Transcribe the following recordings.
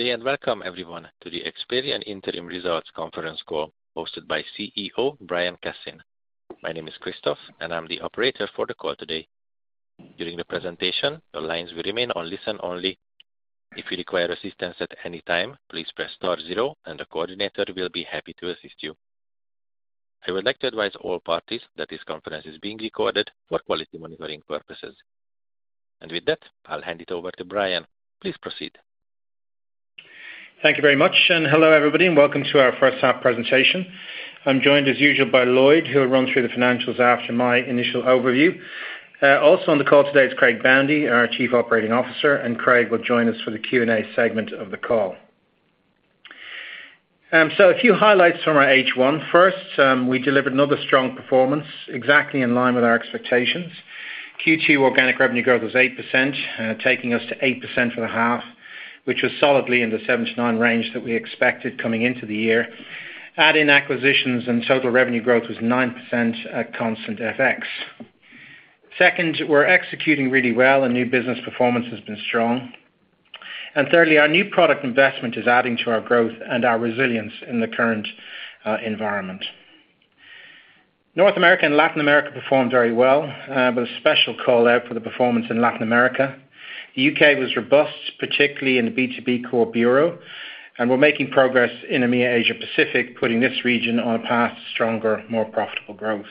Good day and welcome everyone to the Experian Interim Results Conference call hosted by CEO Brian Cassin. My name is Christophe, and I'm the operator for the call today. During the presentation, the lines will remain on listen only. If you require assistance at any time, please press star zero and the coordinator will be happy to assist you. I would like to advise all parties that this conference is being recorded for quality monitoring purposes. With that, I'll hand it over to Brian. Please proceed. Thank you very much, and hello everybody and welcome to our H1 presentation. I'm joined as usual by Lloyd, who will run through the financials after my initial overview. Also on the call today is Craig Boundy, our Chief Operating Officer, and Craig will join us for the Q&A segment of the call. So, a few highlights from our H1 first. We delivered another strong performance exactly in line with our expectations. Q2 organic revenue growth was 8%, taking us to 8% for the half, which was solidly in the 7 to 9% range that we expected coming into the year. Add in acquisitions and total revenue growth was 9% at constant FX. Second, we're executing really well and new business performance has been strong. Thirdly, our new product investment is adding to our growth and our resilience in the current environment. North America and Latin America performed very well, but a special call out for the performance in Latin America. The UK was robust, particularly in the B2B core bureau, and we're making progress in EMEA Asia Pacific, putting this region on a path to stronger, more profitable growth.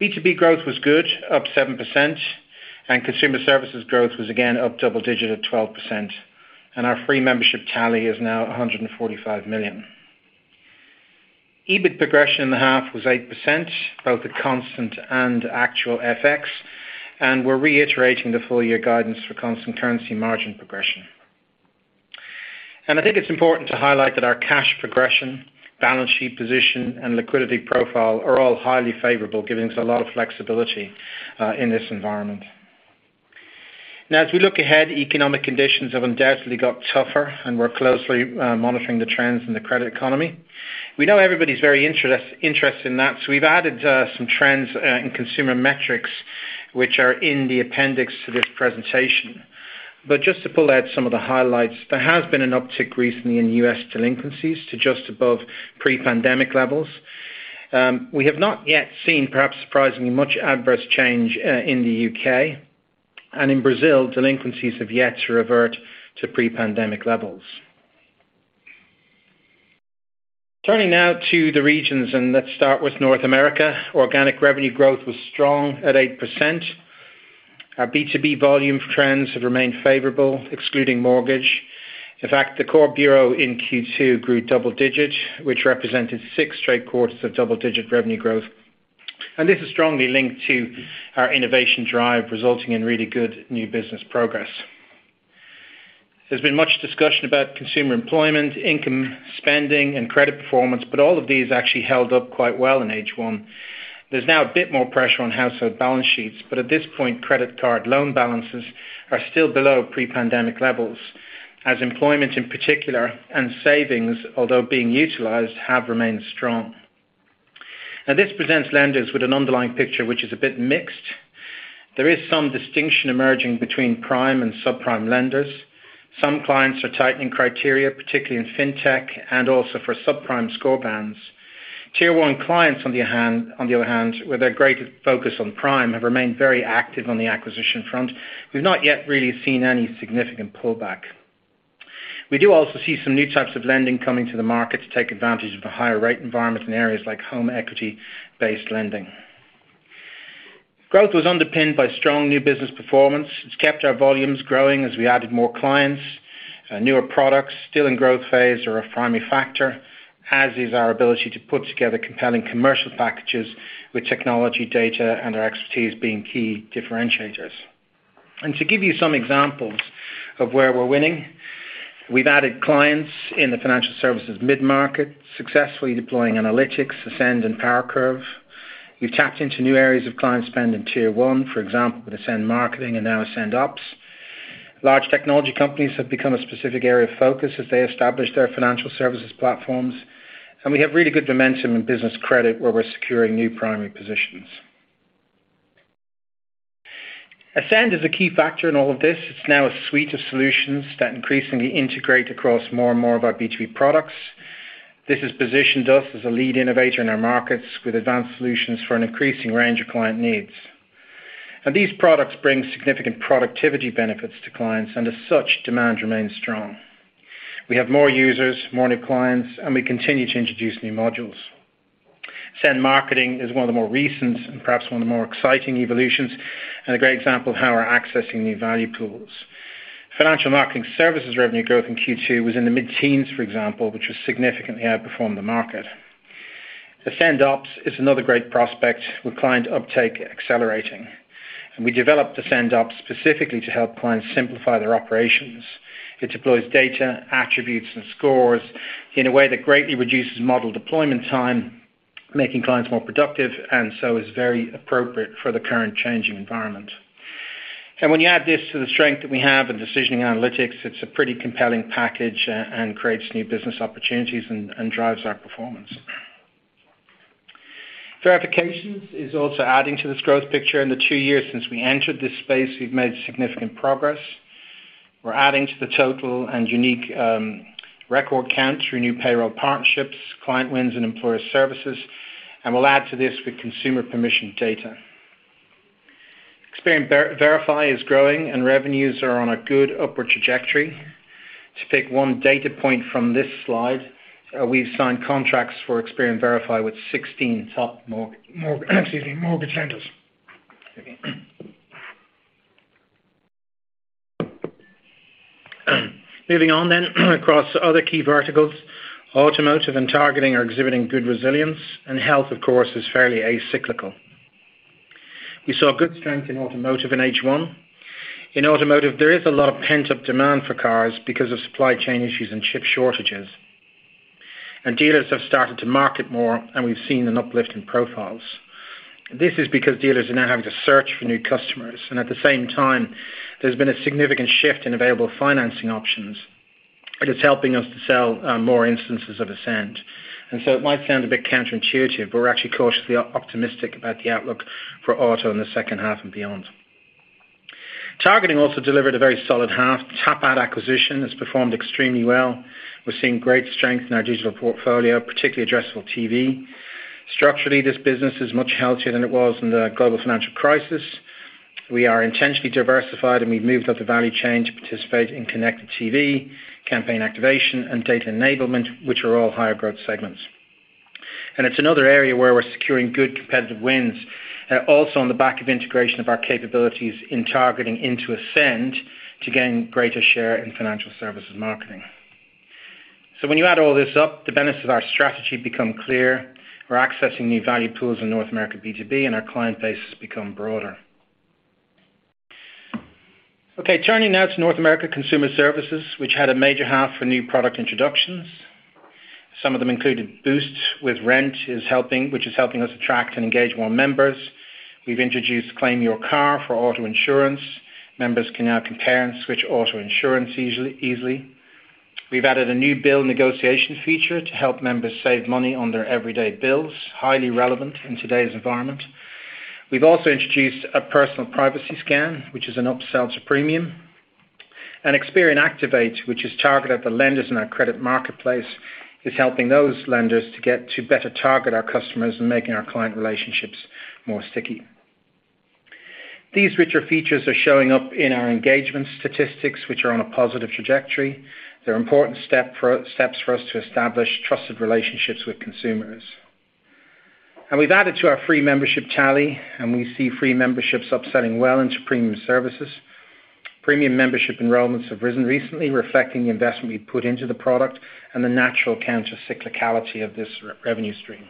B2B growth was good, up 7%, and consumer services growth was again up double digit at 12%. Our free membership tally is now 145 million. EBIT progression in the half was 8%, both at constant and actual FX, and we're reiterating the full year guidance for constant currency margin progression. I think it's important to highlight that our cash progression, balance sheet position, and liquidity profile are all highly favorable, giving us a lot of flexibility in this environment. Now as we look ahead, economic conditions have undoubtedly got tougher and we're closely monitoring the trends in the credit economy. We know everybody's very interested in that, so we've added some trends in consumer metrics which are in the appendix to this presentation. Just to pull out some of the highlights, there has been an uptick recently in US delinquencies to just above pre-pandemic levels. We have not yet seen, perhaps surprisingly, much adverse change in the UK. In Brazil, delinquencies have yet to revert to pre-pandemic levels. Turning now to the regions, and let's start with North America. Organic revenue growth was strong at 8%. Our B2B volume trends have remained favorable, excluding mortgage. In fact, the core bureau in Q2 grew double-digit, which represented six straight quarters of double-digit revenue growth. This is strongly linked to our innovation drive, resulting in really good new business progress. There's been much discussion about consumer employment, income spending, and credit performance, but all of these actually held up quite well in H1. There's now a bit more pressure on household balance sheets, but at this point credit card loan balances are still below pre-pandemic levels as employment in particular and savings, although being utilized, have remained strong. Now this presents lenders with an underlying picture which is a bit mixed. There is some distinction emerging between prime and subprime lenders. Some clients are tightening criteria, particularly in fintech and also for subprime score bands. Tier one clients on the other hand, with their greater focus on prime, have remained very active on the acquisition front. We've not yet really seen any significant pullback. We do also see some new types of lending coming to the market to take advantage of a higher rate environment in areas like home equity-based lending. Growth was underpinned by strong new business performance. It's kept our volumes growing as we added more clients. Newer products still in growth phase are a primary factor, as is our ability to put together compelling commercial packages with technology data and our expertise being key differentiators. To give you some examples of where we're winning, we've added clients in the financial services mid-market, successfully deploying analytics, Ascend and PowerCurve. We've tapped into new areas of client spend in tier one, for example, with Ascend Marketing and now Ascend Ops. Large technology companies have become a specific area of focus as they establish their financial services platforms, and we have really good momentum in business credit where we're securing new primary positions. Ascend is a key factor in all of this. It's now a suite of solutions that increasingly integrate across more and more of our B2B products. This has positioned us as a lead innovator in our markets with advanced solutions for an increasing range of client needs. These products bring significant productivity benefits to clients, and as such, demand remains strong. We have more users, more new clients, and we continue to introduce new modules. Ascend Marketing is one of the more recent and perhaps one of the more exciting evolutions and a great example of how we're accessing new value pools. Financial marketing services revenue growth in Q2 was in the mid-teens, for example, which significantly outperformed the market. Ascend Ops is another great prospect with client uptake accelerating, and we developed Ascend Ops specifically to help clients simplify their operations. It deploys data, attributes, and scores in a way that greatly reduces model deployment time, making clients more productive and so is very appropriate for the current changing environment. When you add this to the strength that we have in decisioning analytics, it's a pretty compelling package and creates new business opportunities and drives our performance. Verifications is also adding to this growth picture. In the two years since we entered this space, we've made significant progress. We're adding to the total and unique record count through new payroll partnerships, client wins, and employer services, and we'll add to this with consumer permission data. Experian Verify is growing, and revenues are on a good upward trajectory. To pick one data point from this slide, we've signed contracts for Experian Verify with 16 top mortgage lenders. Moving on across other key verticals, automotive and targeting are exhibiting good resilience, and health, of course, is fairly cyclical. We saw good strength in automotive in H1. In automotive, there is a lot of pent-up demand for cars because of supply chain issues and chip shortages. Dealers have started to market more, and we've seen an uplift in profiles. This is because dealers are now having to search for new customers, and at the same time, there's been a significant shift in available financing options, and it's helping us to sell more instances of Ascend. It might sound a bit counterintuitive, but we're actually cautiously optimistic about the outlook for auto in the H2 and beyond. Targeting also delivered a very solid half. Tapad acquisition has performed extremely well. We're seeing great strength in our digital portfolio, particularly addressable TV. Structurally, this business is much healthier than it was in the global financial crisis. We are intentionally diversified, and we've moved up the value chain to participate in connected TV, campaign activation, and data enablement, which are all higher growth segments. It's another area where we're securing good competitive wins, also on the back of integration of our capabilities in targeting into Ascend to gain greater share in financial services marketing. When you add all this up, the benefits of our strategy become clear. We're accessing new value pools in North America B2B, and our client base has become broader. Okay, turning now to North America Consumer Services, which had a major half for new product introductions. Some of them included Boost with Rent, which is helping us attract and engage more members. We've introduced Claim Your Car for auto insurance. Members can now compare and switch auto insurance easily. We've added a new bill negotiation feature to help members save money on their everyday bills, highly relevant in today's environment. We've also introduced a personal privacy scan, which is an upsell to premium. Experian Activate, which is targeted at the lenders in our credit marketplace, is helping those lenders to get to better target our customers and making our client relationships more sticky. These richer features are showing up in our engagement statistics, which are on a positive trajectory. They're important steps for us to establish trusted relationships with consumers. We've added to our free membership tally, and we see free memberships upselling well into premium services. Premium membership enrollments have risen recently, reflecting the investment we put into the product and the natural counter-cyclicality of this revenue stream.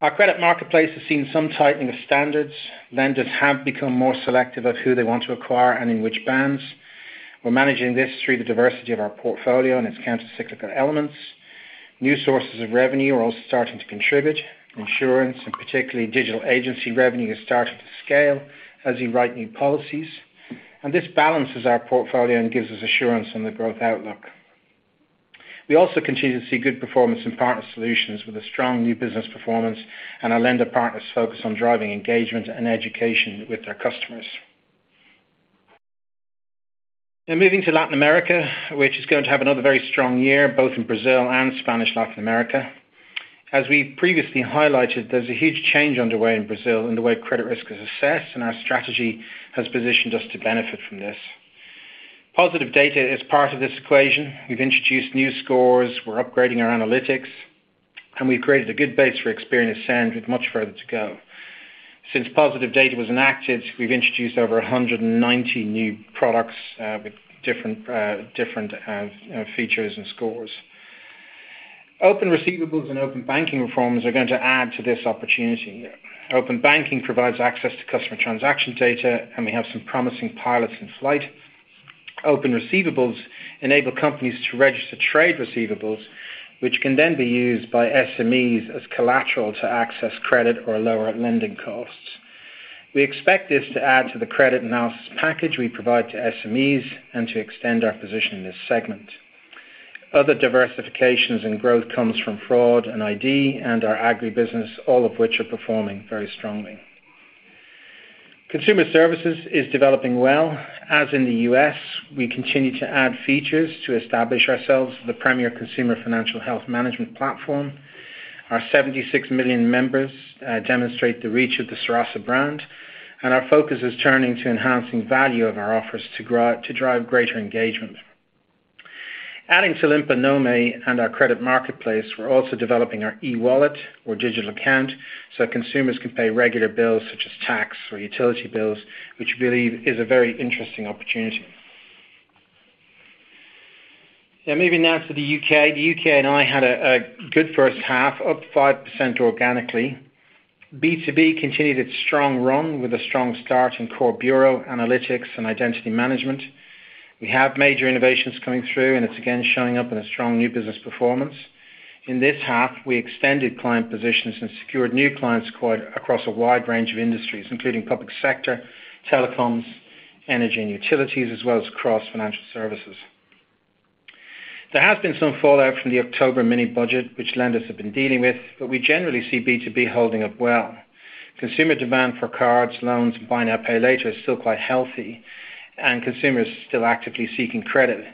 Our credit marketplace has seen some tightening of standards. Lenders have become more selective of who they want to acquire and in which bands. We're managing this through the diversity of our portfolio and its counter-cyclical elements. New sources of revenue are also starting to contribute. Insurance and particularly digital agency revenue is starting to scale as you write new policies, and this balances our portfolio and gives us assurance on the growth outlook. We also continue to see good performance in partner solutions with a strong new business performance and our lender partners focus on driving engagement and education with their customers. Now moving to Latin America, which is going to have another very strong year, both in Brazil and Spanish Latin America. As we previously highlighted, there's a huge change underway in Brazil in the way credit risk is assessed, and our strategy has positioned us to benefit from this. Positive data is part of this equation. We've introduced new scores, we're upgrading our analytics, and we've created a good base for Experian Ascend with much further to go. Since positive data was enacted, we've introduced over 190 new products with different features and scores. Open receivables and open banking reforms are going to add to this opportunity. Open banking provides access to customer transaction data, and we have some promising pilots in flight. Open receivables enable companies to register trade receivables, which can then be used by SMEs as collateral to access credit or lower lending costs. We expect this to add to the credit analysis package we provide to SMEs and to extend our position in this segment. Other diversifications and growth comes from fraud and ID and our agri-business, all of which are performing very strongly. Consumer services is developing well. As in the U.S., we continue to add features to establish ourselves as the premier consumer financial health management platform. Our 76 million members demonstrate the reach of the Serasa brand, and our focus is turning to enhancing value of our offers to drive greater engagement. Adding to Limpa Nome and our credit marketplace, we're also developing our e-wallet or digital account so that consumers can pay regular bills such as tax or utility bills, which we believe is a very interesting opportunity. Now moving to the UK. The UK and Ireland had a good H1, up 5% organically. B2B continued its strong run with a strong start in core bureau analytics and identity management. We have major innovations coming through, and it's again showing up in a strong new business performance. In this half, we extended client positions and secured new clients across a wide range of industries, including public sector, telecoms, energy, and utilities, as well as across financial services. There has been some fallout from the October mini budget, which lenders have been dealing with, but we generally see B2B holding up well. Consumer demand for cards, loans, and buy now, pay later is still quite healthy, and consumers still actively seeking credit.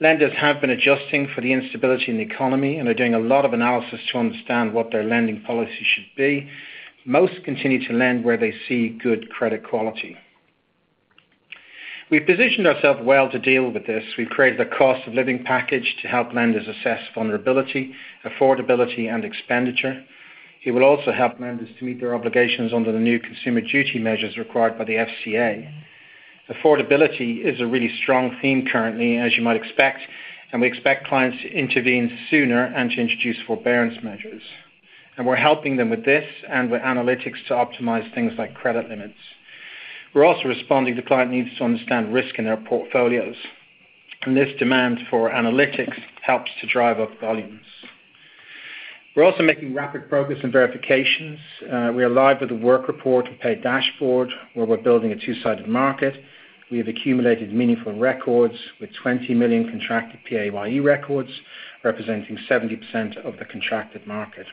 Lenders have been adjusting for the instability in the economy and are doing a lot of analysis to understand what their lending policy should be. Most continue to lend where they see good credit quality. We've positioned ourselves well to deal with this. We've created a cost-of-living package to help lenders assess vulnerability, affordability, and expenditure. It will also help lenders to meet their obligations under the new Consumer Duty measures required by the FCA. Affordability is a really strong theme currently, as you might expect, and we expect clients to intervene sooner and to introduce forbearance measures. We're helping them with this and with analytics to optimize things like credit limits. We're also responding to client needs to understand risk in their portfolios. This demand for analytics helps to drive up volumes. We're also making rapid progress in verifications. We are live with the Work Report and PayDashboard, where we're building a two-sided market. We have accumulated meaningful records with 20 million contracted PAYE records, representing 70% of the contracted market.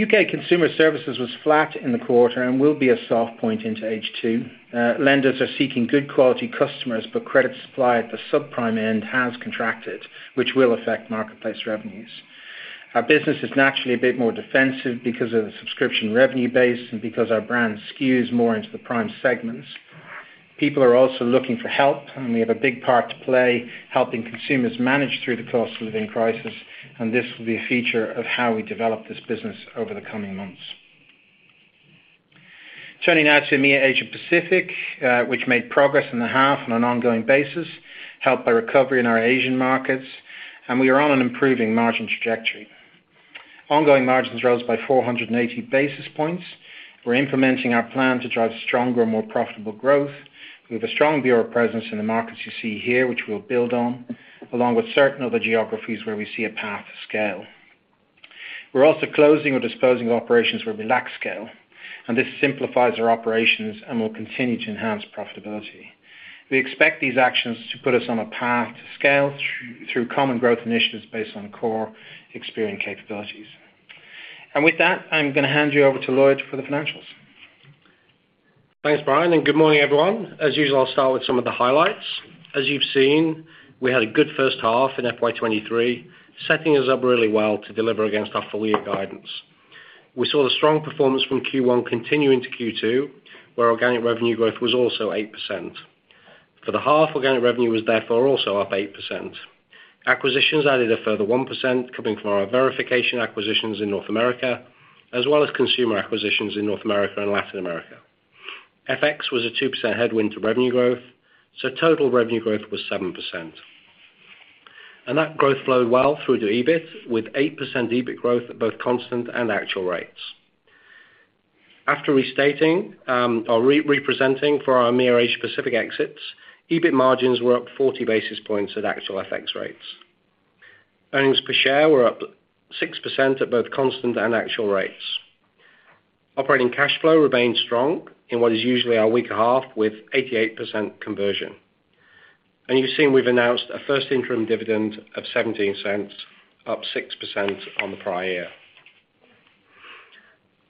UK Consumer Services was flat in the quarter and will be a soft point into H2. Lenders are seeking good quality customers, but credit supply at the subprime end has contracted, which will affect marketplace revenues. Our business is naturally a bit more defensive because of the subscription revenue base and because our brand skews more into the prime segments. People are also looking for help, and we have a big part to play helping consumers manage through the cost-of-living crisis. This will be a feature of how we develop this business over the coming months. Turning now to EMEA and Asia Pacific, which made progress in the half on an ongoing basis, helped by recovery in our Asian markets, and we are on an improving margin trajectory. Ongoing margins rose by 480 basis points. We're implementing our plan to drive stronger and more profitable growth. We have a strong bureau presence in the markets you see here, which we'll build on, along with certain other geographies where we see a path to scale. We're also closing or disposing operations where we lack scale, and this simplifies our operations and will continue to enhance profitability. We expect these actions to put us on a path to scale through common growth initiatives based on core Experian capabilities. With that, I'm gonna hand you over to Lloyd for the financials. Thanks, Brian, and good morning, everyone. As usual, I'll start with some of the highlights. As you've seen, we had a good H1 in FY 2023, setting us up really well to deliver against our full year guidance. We saw the strong performance from Q1 continuing to Q2, where organic revenue growth was also 8%. For the half, organic revenue was therefore also up 8%. Acquisitions added a further 1% coming from our verification acquisitions in North America, as well as consumer acquisitions in North America and Latin America. FX was a 2% headwind to revenue growth, so total revenue growth was 7%. That growth flowed well through to EBIT, with 8% EBIT growth at both constant and actual rates. After restating or re-presenting for our EMEA and Asia Pacific exits, EBIT margins were up 40 basis points at actual FX rates. Earnings per share were up 6% at both constant and actual rates. Operating cash flow remained strong in what is usually our weaker half with 88% conversion. You can see we've announced a first interim dividend of $0.17, up 6% on the prior year.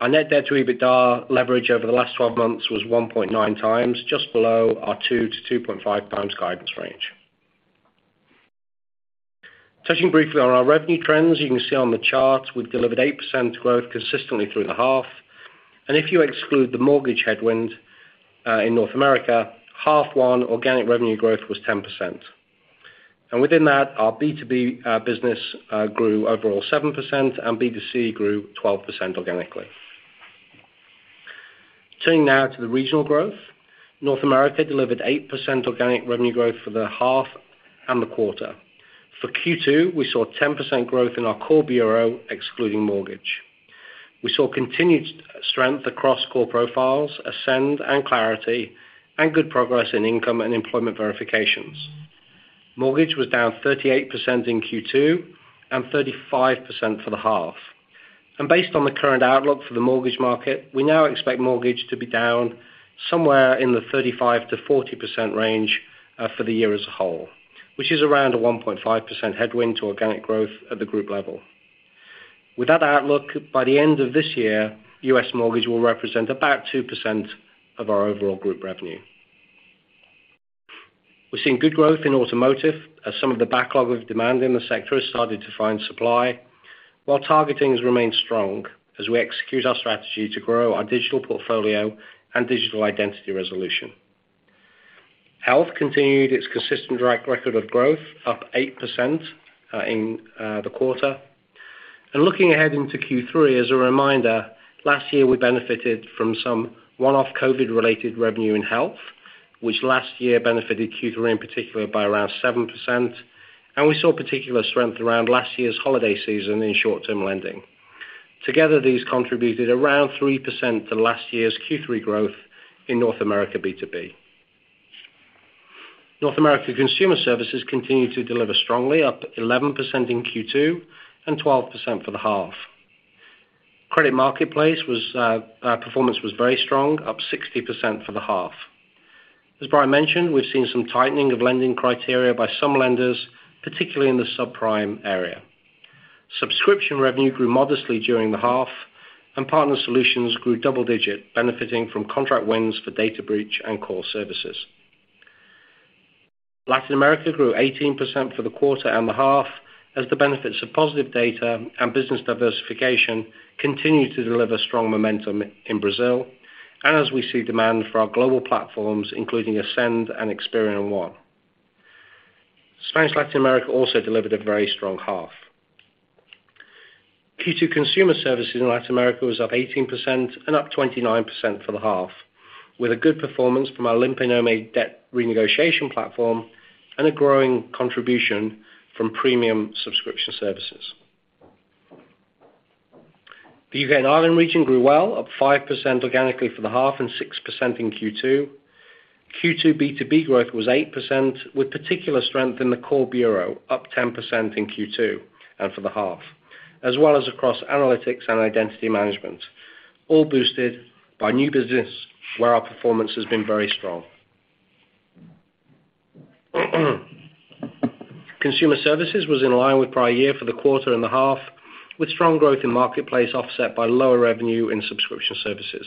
Our net debt to EBITDA leverage over the last 12 months was 1.9x, just below our 2x to 2.5x guidance range. Touching briefly on our revenue trends, you can see on the chart we've delivered 8% growth consistently through the half. If you exclude the mortgage headwind in North America, half one organic revenue growth was 10%. Within that, our B2B business grew overall 7%, and B2C grew 12% organically. Turning now to the regional growth. North America delivered 8% organic revenue growth for the half and the quarter. For Q2, we saw 10% growth in our core bureau, excluding mortgage. We saw continued strength across core profiles, Ascend and Clarity, and good progress in income and employment verifications. Mortgage was down 38% in Q2 and 35% for the half. Based on the current outlook for the mortgage market, we now expect mortgage to be down somewhere in the 35 to 40% range for the year as a whole, which is around a 1.5% headwind to organic growth at the group level. With that outlook, by the end of this year, US mortgage will represent about 2% of our overall group revenue. We're seeing good growth in automotive as some of the backlog of demand in the sector has started to find supply, while targeting has remained strong as we execute our strategy to grow our digital portfolio and digital identity resolution. Health continued its consistent track record of growth, up 8% in the quarter. Looking ahead into Q3, as a reminder, last year, we benefited from some one-off COVID-related revenue in health, which last year benefited Q3 in particular by around 7%. We saw particular strength around last year's holiday season in short-term lending. Together, these contributed around 3% to last year's Q3 growth in North America B2B. North America Consumer Services continued to deliver strongly, up 11% in Q2 and 12% for the half. Credit marketplace performance was very strong, up 60% for the half. As Brian mentioned, we've seen some tightening of lending criteria by some lenders, particularly in the subprime area. Subscription revenue grew modestly during the half, and partner solutions grew double-digit, benefiting from contract wins for data breach and core services. Latin America grew 18% for the quarter and the half as the benefits of positive data and business diversification continued to deliver strong momentum in Brazil, and as we see demand for our global platforms, including Ascend and Experian One. Spanish Latin America also delivered a very strong half. Q2 consumer services in Latin America was up 18% and up 29% for the half, with a good performance from our Limpa Nome debt renegotiation platform and a growing contribution from premium subscription services. The UK and Ireland region grew well, up 5% organically for the half and 6% in Q2. Q2 B2B growth was 8%, with particular strength in the core bureau, up 10% in Q2 and for the half, as well as across analytics and identity management, all boosted by new business where our performance has been very strong. Consumer Services was in line with prior year for the quarter and the half, with strong growth in marketplace offset by lower revenue in subscription services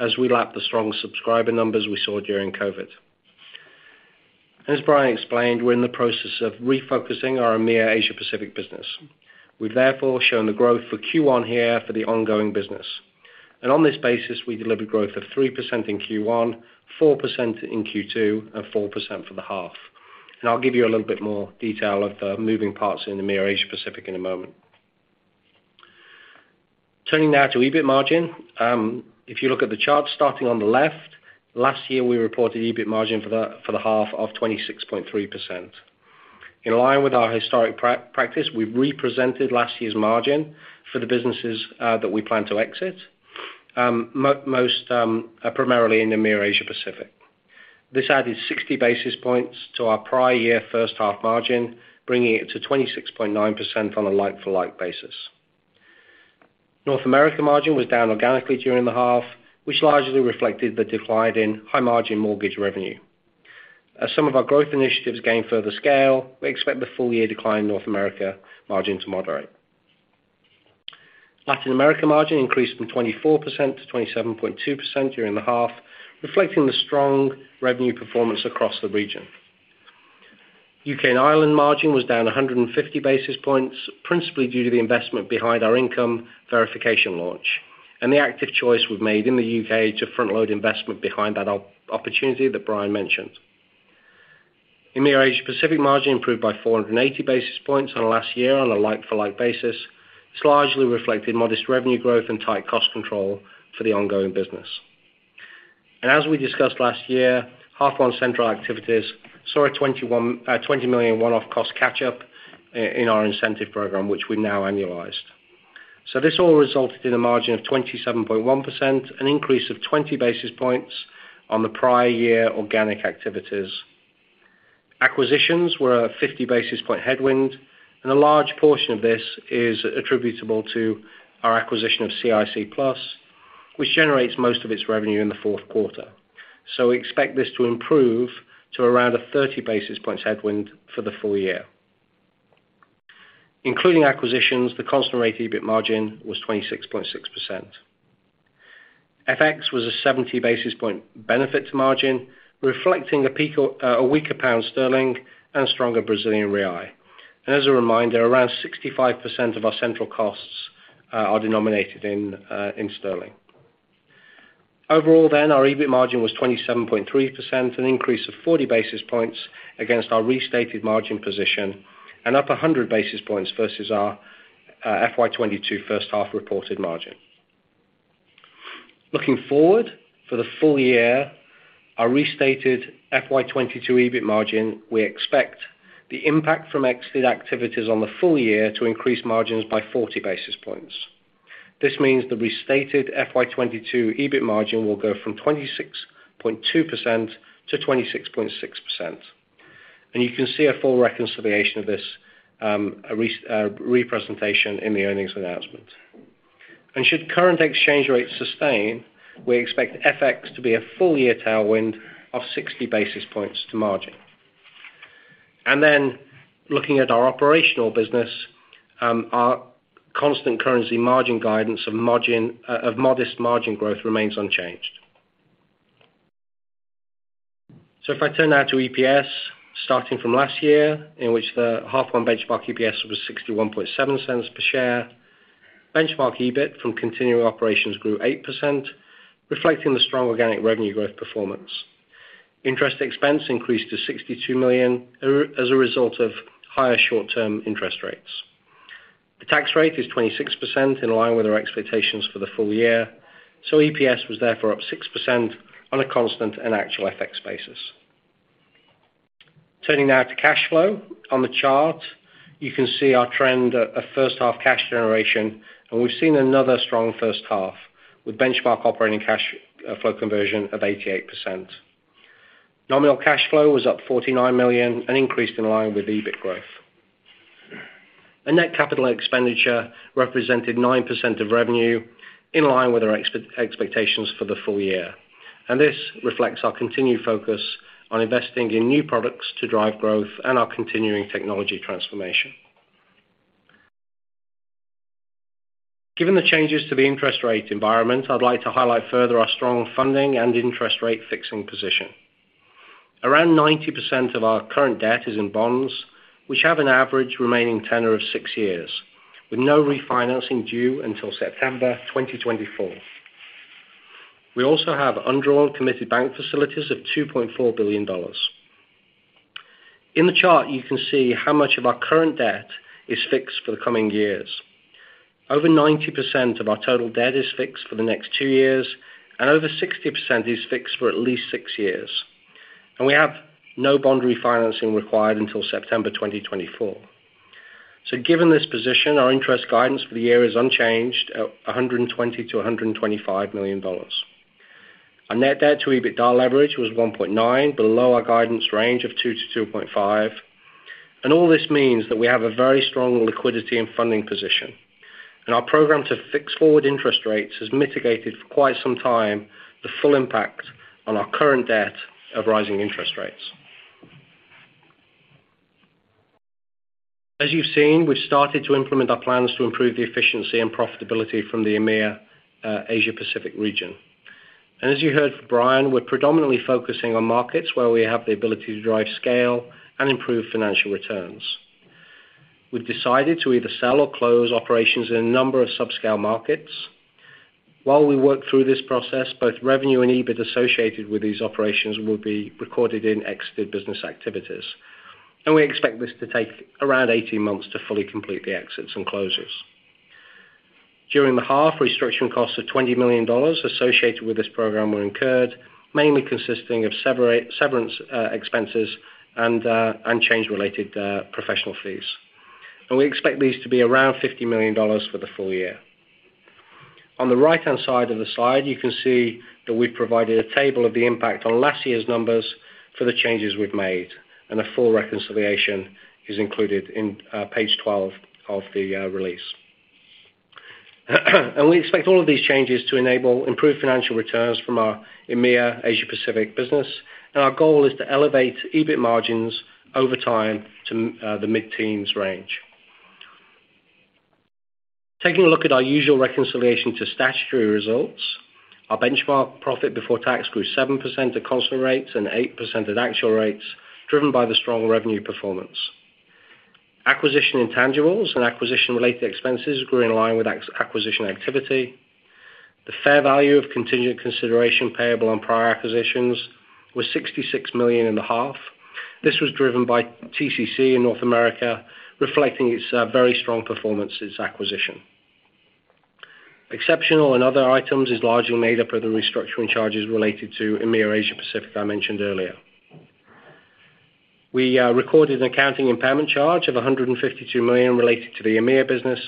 as we lap the strong subscriber numbers we saw during COVID. As Brian explained, we're in the process of refocusing our EMEA and Asia Pacific business. We've therefore shown the growth for Q1 here for the ongoing business. On this basis, we delivered growth of 3% in Q1, 4% in Q2, and 4% for the half. I'll give you a little bit more detail of the moving parts in EMEA and Asia Pacific in a moment. Turning now to EBIT margin. If you look at the chart starting on the left, last year we reported EBIT margin for the half of 26.3%. In line with our historic practice, we've represented last year's margin for the businesses that we plan to exit, most primarily in EMEA and Asia Pacific. This added 60 basis points to our prior year H1 margin, bringing it to 26.9% on a like-for-like basis. North America margin was down organically during the half, which largely reflected the decline in high margin mortgage revenue. As some of our growth initiatives gain further scale, we expect the full year decline in North America margin to moderate. Latin America margin increased from 24 to 27.2% during the half, reflecting the strong revenue performance across the region. UK and Ireland margin was down 150 basis points, principally due to the investment behind our income verification launch and the active choice we've made in the UK to front-load investment behind that opportunity that Brian mentioned. EMEA and Asia Pacific margin improved by 480 basis points on last year on a like-for-like basis. This largely reflected modest revenue growth and tight cost control for the ongoing business. As we discussed last year, H1 central activities saw a $20 million one-off cost catch-up in our incentive program, which we now annualized. This all resulted in a margin of 27.1%, an increase of 20 basis points on the prior year organic activities. Acquisitions were a 50 basis point headwind, and a large portion of this is attributable to our acquisition of CIC Plus, which generates most of its revenue in the Q4. We expect this to improve to around a 30 basis points headwind for the full year. Including acquisitions, the constant rate EBIT margin was 26.6%. FX was a 70 basis point benefit to margin, reflecting a weaker pound sterling and a stronger Brazilian real. As a reminder, around 65% of our central costs are denominated in sterling. Overall, then, our EBIT margin was 27.3%, an increase of 40 basis points against our restated margin position and up 100 basis points versus our FY 2022 H1 reported margin. Looking forward for the full year, our restated FY 2022 EBIT margin, we expect the impact from exited activities on the full year to increase margins by 40 basis points. This means the restated FY 2022 EBIT margin will go from 26.2 to 26.6%. You can see a full reconciliation of this, re-presentation in the earnings announcement. Should current exchange rates sustain, we expect FX to be a full-year tailwind of 60 basis points to margin. Then looking at our operational business, our constant currency margin guidance of modest margin growth remains unchanged. If I turn now to EPS, starting from last year, in which the H1 benchmark EPS was $0.617 per share, benchmark EBIT from continuing operations grew 8%, reflecting the strong organic revenue growth performance. Interest expense increased to $62 million as a result of higher short-term interest rates. The tax rate is 26%, in line with our expectations for the full year, so EPS was therefore up 6% on a constant and actual FX basis. Turning now to cash flow. On the chart, you can see our trend of first-half cash generation, and we've seen another strong H1, with benchmark operating cash flow conversion of 88%. Nominal cash flow was up $49 million and increased in line with EBIT growth. Net capital expenditure represented 9% of revenue in line with our expectations for the full year. This reflects our continued focus on investing in new products to drive growth and our continuing technology transformation. Given the changes to the interest rate environment, I'd like to highlight further our strong funding and interest rate fixing position. Around 90% of our current debt is in bonds, which have an average remaining tenure of 6 years, with no refinancing due until September 2024. We also have undrawn committed bank facilities of $2.4 billion. In the chart, you can see how much of our current debt is fixed for the coming years. Over 90% of our total debt is fixed for the next 2 years, and over 60% is fixed for at least 6 years. We have no bond refinancing required until September 2024. Given this position, our interest guidance for the year is unchanged at $120 to 125 million. Our net debt to EBITDA leverage was 1.9, below our guidance range of 2 to 2.5. All this means that we have a very strong liquidity and funding position. Our program to fix forward interest rates has mitigated for quite some time the full impact on our current debt of rising interest rates. As you've seen, we've started to implement our plans to improve the efficiency and profitability from the EMEA, Asia Pacific region. As you heard from Brian, we're predominantly focusing on markets where we have the ability to drive scale and improve financial returns. We've decided to either sell or close operations in a number of subscale markets. While we work through this process, both revenue and EBIT associated with these operations will be recorded in exited business activities. We expect this to take around 18 months to fully complete the exits and closures. During the half, restructuring costs of $20 million associated with this program were incurred, mainly consisting of severance expenses and change-related professional fees. We expect these to be around $50 million for the full year. On the right-hand side of the slide, you can see that we've provided a table of the impact on last year's numbers for the changes we've made, and a full reconciliation is included in page 12 of the release. We expect all of these changes to enable improved financial returns from our EMEA and Asia Pacific business, and our goal is to elevate EBIT margins over time to the mid-teens range. Taking a look at our usual reconciliation to statutory results, our benchmark profit before tax grew 7% at constant rates and 8% at actual rates, driven by the strong revenue performance. Acquisition intangibles and acquisition-related expenses grew in line with acquisition activity. The fair value of continued consideration payable on prior acquisitions was $66 million in the half. This was driven by TCC in North America, reflecting its very strong performance since acquisition. Exceptional and other items is largely made up of the restructuring charges related to EMEA and Asia Pacific I mentioned earlier. We recorded an accounting impairment charge of $152 million related to the EMEA business,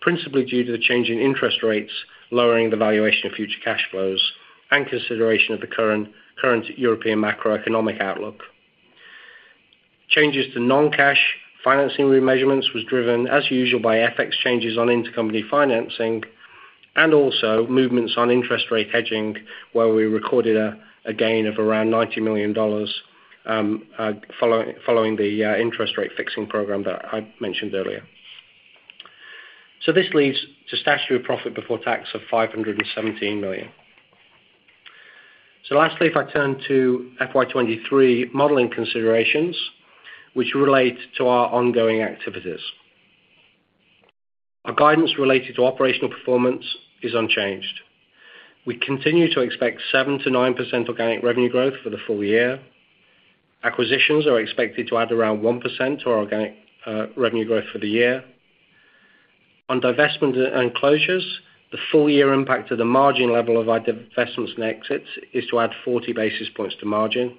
principally due to the change in interest rates, lowering the valuation of future cash flows and consideration of the current European macroeconomic outlook. Changes to non-cash financing remeasurements was driven, as usual, by FX changes on intercompany financing and also movements on interest rate hedging, where we recorded a gain of around $90 million following the interest rate fixing program that I mentioned earlier. This leads to statutory profit before tax of $517 million. Lastly, if I turn to FY 2023 modeling considerations which relate to our ongoing activities. Our guidance related to operational performance is unchanged. We continue to expect 7 to 9% organic revenue growth for the full year. Acquisitions are expected to add around 1% to our organic revenue growth for the year. On divestment and closures, the full year impact to the margin level of our divestments and exits is to add 40 basis points to margin.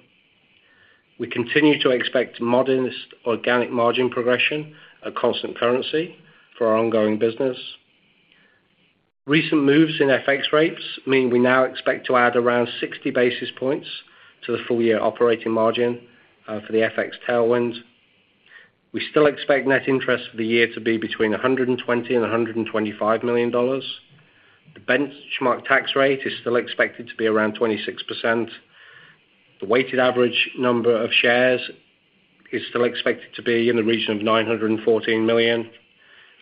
We continue to expect modest organic margin progression at constant currency for our ongoing business. Recent moves in FX rates mean we now expect to add around 60 basis points to the full year operating margin, for the FX tailwind. We still expect net interest for the year to be between $120 million and $125 million. The benchmark tax rate is still expected to be around 26%. The weighted average number of shares is still expected to be in the region of 914 million.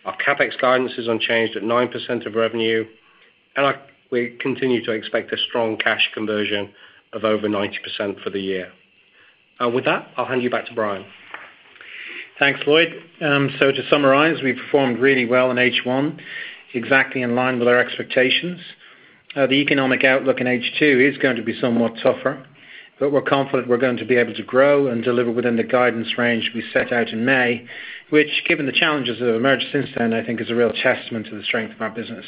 Our CapEx guidance is unchanged at 9% of revenue. We continue to expect a strong cash conversion of over 90% for the year. With that, I'll hand you back to Brian. Thanks, Lloyd. So, to summarize, we performed really well in H1, exactly in line with our expectations. The economic outlook in H2 is going to be somewhat tougher, but we're confident we're going to be able to grow and deliver within the guidance range we set out in May, which given the challenges that have emerged since then, I think is a real testament to the strength of our business.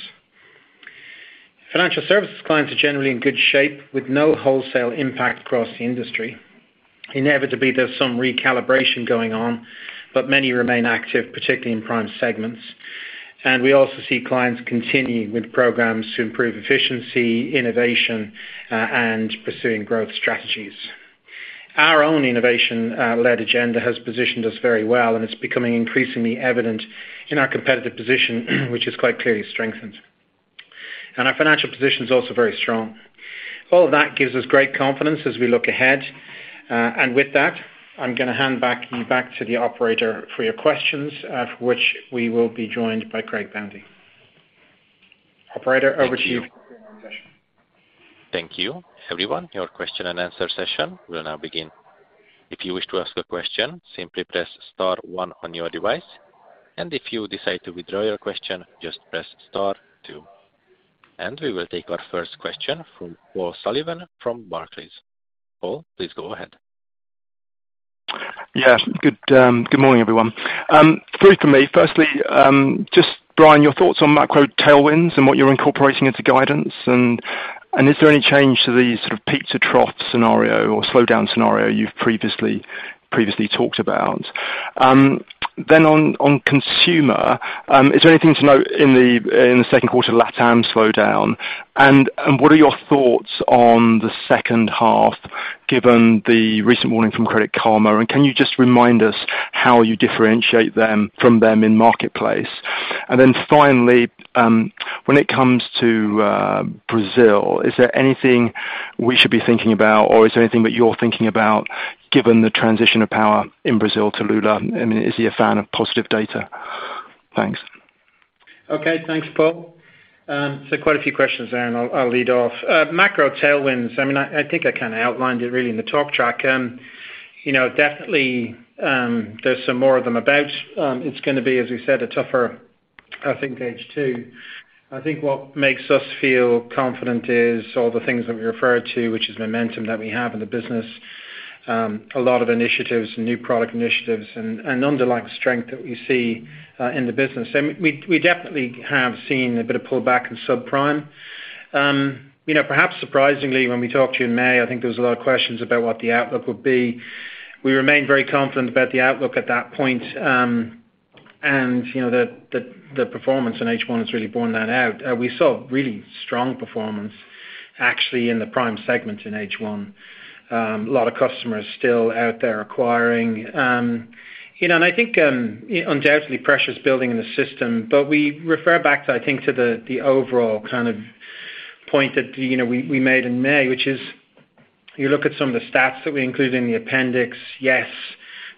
Financial services clients are generally in good shape with no wholesale impact across the industry. Inevitably, there's some recalibration going on, but many remain active, particularly in prime segments. We also see clients continuing with programs to improve efficiency, innovation, and pursuing growth strategies. Our own innovation led agenda has positioned us very well, and it's becoming increasingly evident in our competitive position, which is quite clearly strengthened. Our financial position is also very strong. All of that gives us great confidence as we look ahead. With that, I'm gonna hand you back to the operator for your questions, for which we will be joined by Craig Boundy. Operator, over to you. Thank you. Everyone, your question-and-answer session will now begin. If you wish to ask a question, simply press star one on your device. If you decide to withdraw your question, just press star two. We will take our first question from Paul Sullivan from Barclays. Paul, please go ahead. Yeah. Good morning, everyone. 3 for me. Firstly, just Brian, your thoughts on macro tailwinds and what you're incorporating into guidance. Is there any change to the sort of peak to trough scenario or slowdown scenario you've previously talked about? Then on consumer, is there anything to note in the Q2 LatAm slowdown? What are your thoughts on the H2 given the recent warning from Credit Karma? Can you just remind us how you differentiate them from them in Marketplace? Finally, when it comes to Brazil, is there anything we should be thinking about, or is there anything that you're thinking about given the transition of power in Brazil to Lula? I mean, is he a fan of positive data? Thanks. Okay. Thanks, Paul. So quite a few questions there, and I'll lead off. Macro tailwinds. I mean, I think I kind a outlined it really in the talk track. You know, definitely, there's some more of them about. It's gonna be, as we said, a tougher, I think H2. I think what makes us feel confident is all the things that we referred to, which is momentum that we have in the business, a lot of initiatives and new product initiatives and underlying strength that we see in the business. We definitely have seen a bit of pullback in subprime. You know, perhaps surprisingly, when we talked to you in May, I think there was a lot of questions about what the outlook would be. We remained very confident about the outlook at that point, you know, the performance in H1 has really borne that out. We saw really strong performance actually in the prime segment in H1. A lot of customers still out there acquiring. You know, I think undoubtedly pressure's building in the system, but we refer back to, I think, to the overall kind of point that, you know, we made in May, which is you look at some of the stats that we include in the appendix. Yes,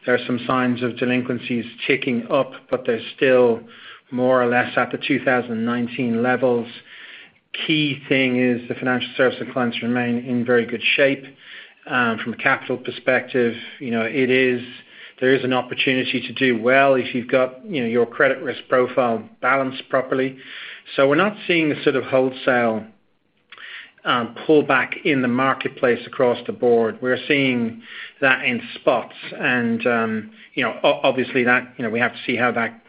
there are some signs of delinquencies ticking up, but they're still more or less at the 2019 levels. Key thing is the financial services clients remain in very good shape. From a capital perspective, you know, there is an opportunity to do well if you've got, you know, your credit risk profile balanced properly. We're not seeing a sort of wholesale pullback in the marketplace across the board. We're seeing that in spots. Obviously, that, you know, we have to see how that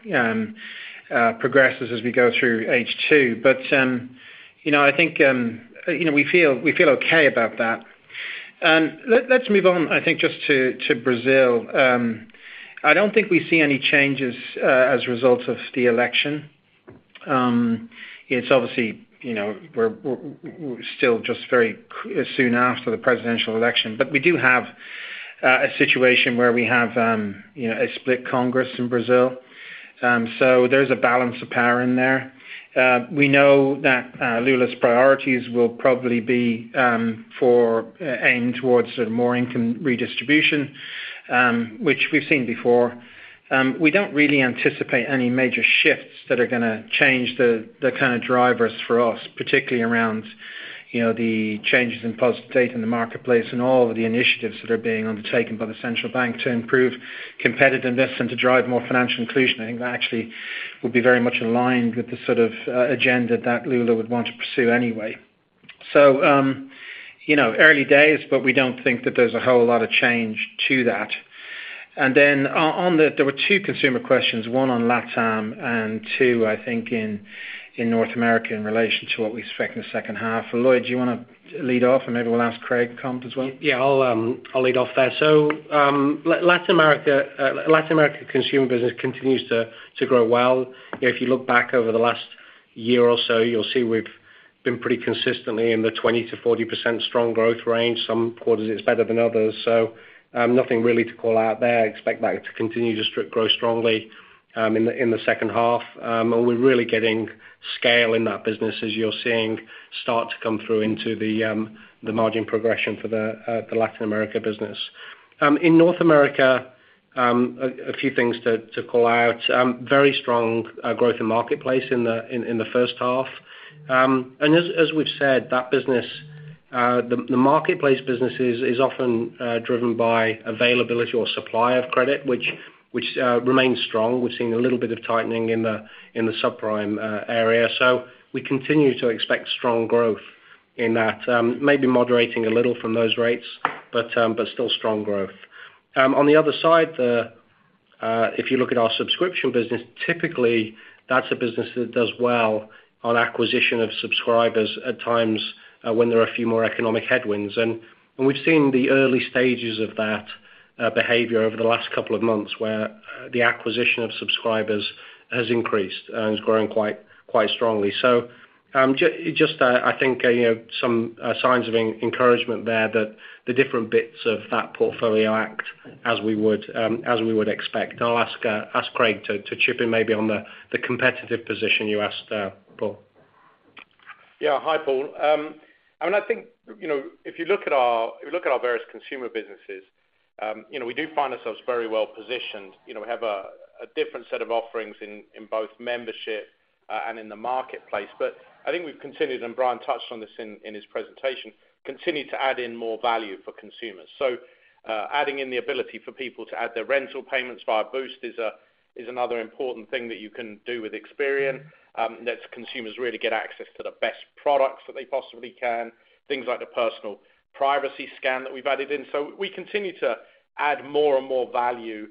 progresses as we go through H2. You know, I think, you know, we feel okay about that. Let's move on, I think, just to Brazil. I don't think we see any changes as a result of the election. It's obviously, you know, we're still just very soon after the presidential election. We do have a situation where we have, you know, a split Congress in Brazil. There's a balance of power in there. We know that Lula's priorities will probably be aimed towards sort of more income redistribution, which we've seen before. We don't really anticipate any major shifts that are gonna change the kinda drivers for us, particularly around, you know, the changes in positive data in the marketplace and all of the initiatives that are being undertaken by the central bank to improve competitiveness and to drive more financial inclusion. I think that actually would be very much aligned with the sort of agenda that Lula would want to pursue anyway. You know, early days, but we don't think that there's a whole lot of change to that. There were two consumer questions, one on LatAm and two, I think, in North America in relation to what we expect in the H2. Lloyd, do you wanna lead off and maybe we'll ask Craig to comment as well? Yeah, I'll lead off there. Latin America consumer business continues to grow well. You know, if you look back over the last year or so, you'll see we've been pretty consistently in the 20 to 40% strong growth range. Some quarters, it's better than others. Nothing really to call out there. I expect that to continue to grow strongly in the H2. We're really getting scale in that business as you're seeing start to come through into the margin progression for the Latin America business. In North America, a few things to call out. Very strong growth in Marketplace in the H1. As we've said that business, the marketplace business is often driven by availability or supply of credit, which remains strong. We're seeing a little bit of tightening in the subprime area. We continue to expect strong growth in that, maybe moderating a little from those rates, but still strong growth. On the other side, if you look at our subscription business, typically, that's a business that does well on acquisition of subscribers at times when there are a few more economic headwinds. We've seen the early stages of that behavior over the last couple of months, where the acquisition of subscribers has increased and is growing quite strongly. Just, I think, you know, some signs of encouragement there that the different bits of that portfolio act as we would expect. I'll ask Craig to chip in maybe on the competitive position you asked there, Paul. Yeah. Hi, Paul. I mean, I think, you know, if you look at our various consumer businesses, you know, we do find ourselves very well positioned. You know, we have a different set of offerings in both membership and in the marketplace. I think we've continued to add in more value for consumers, and Brian touched on this in his presentation. Adding in the ability for people to add their rental payments via Boost is another important thing that you can do with Experian. It lets consumers really get access to the best products that they possibly can, things like the personal privacy scan that we've added in. We continue to add more and more value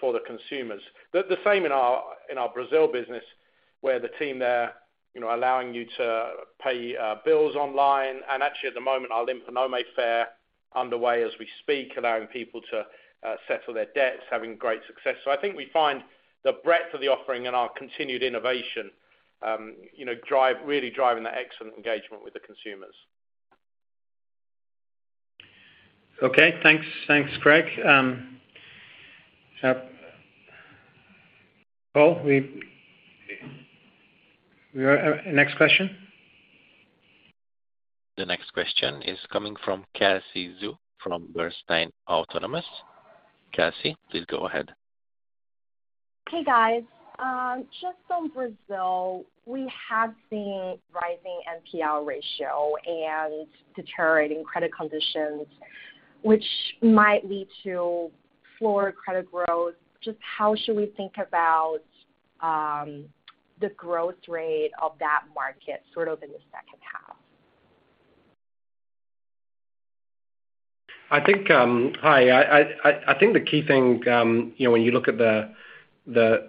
for the consumers. The same in our Brazil business, where the team there you know allowing you to pay bills online. Actually, at the moment, our Limpa Nome is underway as we speak, allowing people to settle their debts, having great success. I think we find the breadth of the offering and our continued innovation, you know really driving that excellent engagement with the consumers. Okay, thanks. Thanks, Craig. Paul, next question. The next question is coming from Kelsey Zhu from Bernstein Autonomous. Kelsey, please go ahead. Hey, guys. Just on Brazil, we have seen rising NPL ratio and deteriorating credit conditions, which might lead to slower credit growth. Just how should we think about the growth rate of that market sort of in the H2? I think. Hi. I think the key thing, you know, when you look at the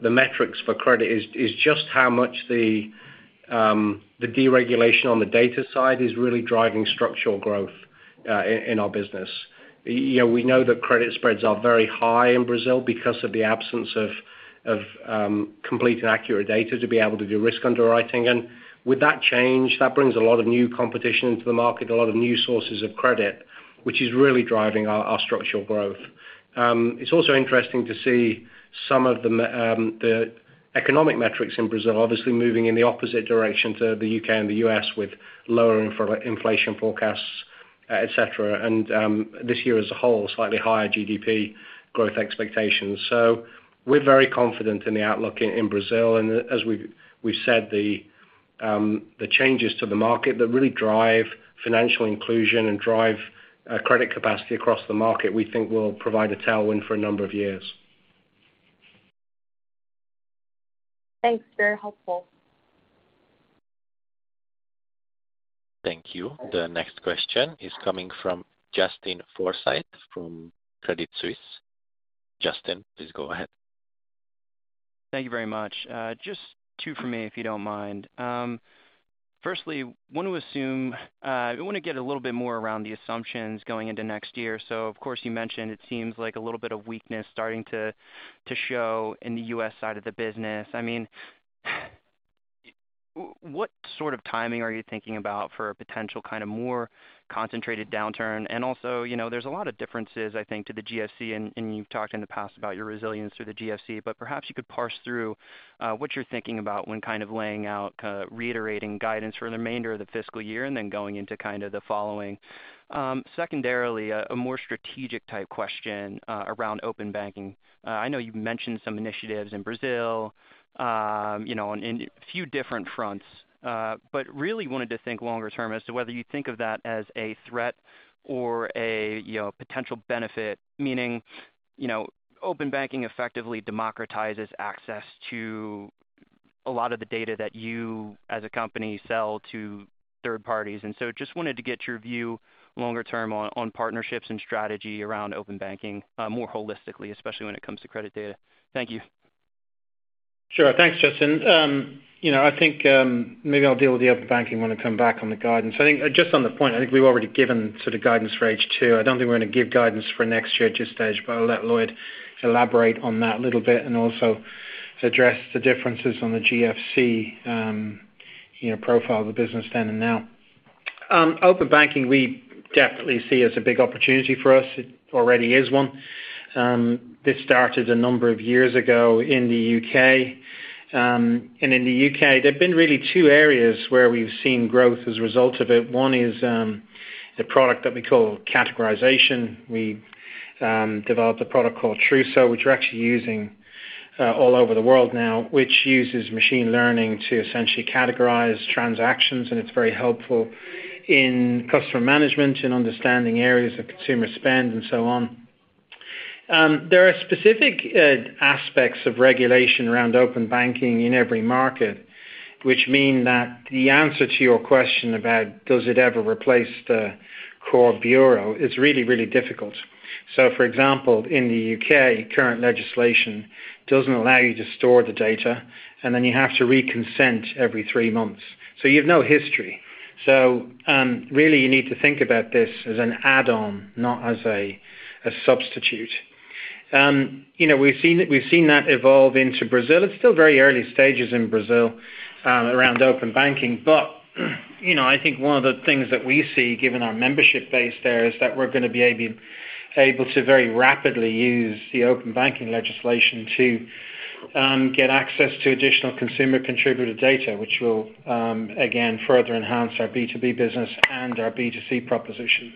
metrics for credit is just how much the deregulation on the data side is really driving structural growth, in our business. You know, we know that credit spreads are very high in Brazil because of the absence of complete and accurate data to be able to do risk underwriting. With that change, that brings a lot of new competition into the market, a lot of new sources of credit, which is really driving our structural growth. It's also interesting to see some of the economic metrics in Brazil obviously moving in the opposite direction to the UK and the US with lower inflation forecasts, et cetera. This year as a whole, slightly higher GDP growth expectations. We're very confident in the outlook in Brazil. As we've said, the changes to the market that really drive financial inclusion and drive credit capacity across the market, we think will provide a tailwind for a number of years. Thanks. Very helpful. Thank you. The next question is coming from Justin Forsythe from Credit Suisse. Justin, please go ahead. Thank you very much. Just two from me, if you don't mind. Firstly, want to get a little bit more around the assumptions going into next year. Of course, you mentioned it seems like a little bit of weakness starting to show in the US side of the business. I mean, what sort of timing are you thinking about for a potential kind of more concentrated downturn? And also, you know, there's a lot of differences, I think, to the GFC, and you've talked in the past about your resilience through the GFC. But perhaps you could parse through what you're thinking about when kind of laying out reiterating guidance for the remainder of the fiscal year and then going into kind of the following. Secondarily, a more strategic type question around open banking. I know you've mentioned some initiatives in Brazil, you know, in a few different fronts. But really wanted to think longer term as to whether you think of that as a threat or a, you know, potential benefit. Meaning, you know, open banking effectively democratizes access to a lot of the data that you, as a company, sell to third parties. Just wanted to get your view longer term on partnerships and strategy around open banking, more holistically, especially when it comes to credit data. Thank you. Sure. Thanks, Justin. You know, I think maybe I'll deal with the open banking when I come back on the guidance. I think just on the point, I think we've already given sort of guidance for H2. I don't think we're gonna give guidance for next year at this stage, but I'll let Lloyd elaborate on that a little bit and also address the differences on the GFC, you know, profile of the business then and now. Open banking, we definitely see as a big opportunity for us. It already is one. This started a number of years ago in the U.K. In the U.K., there've been really two areas where we've seen growth as a result of it. One is the product that we call categorization. We developed a product called Trusso, which we're actually using all over the world now, which uses machine learning to essentially categorize transactions, and it's very helpful in customer management, in understanding areas of consumer spend and so on. There are specific aspects of regulation around open banking in every market. Which means that the answer to your question about does it ever replace the core bureau is really, really difficult. For example, in the UK, current legislation doesn't allow you to store the data, and then you have to reconsent every three months. You have no history. Really you need to think about this as an add-on, not as a substitute. You know, we've seen that evolve into Brazil. It's still very early stages in Brazil, around open banking. You know, I think one of the things that we see, given our membership base there, is that we're gonna be able to very rapidly use the open banking legislation to get access to additional consumer contributed data, which will again further enhance our B2B business and our B2C propositions.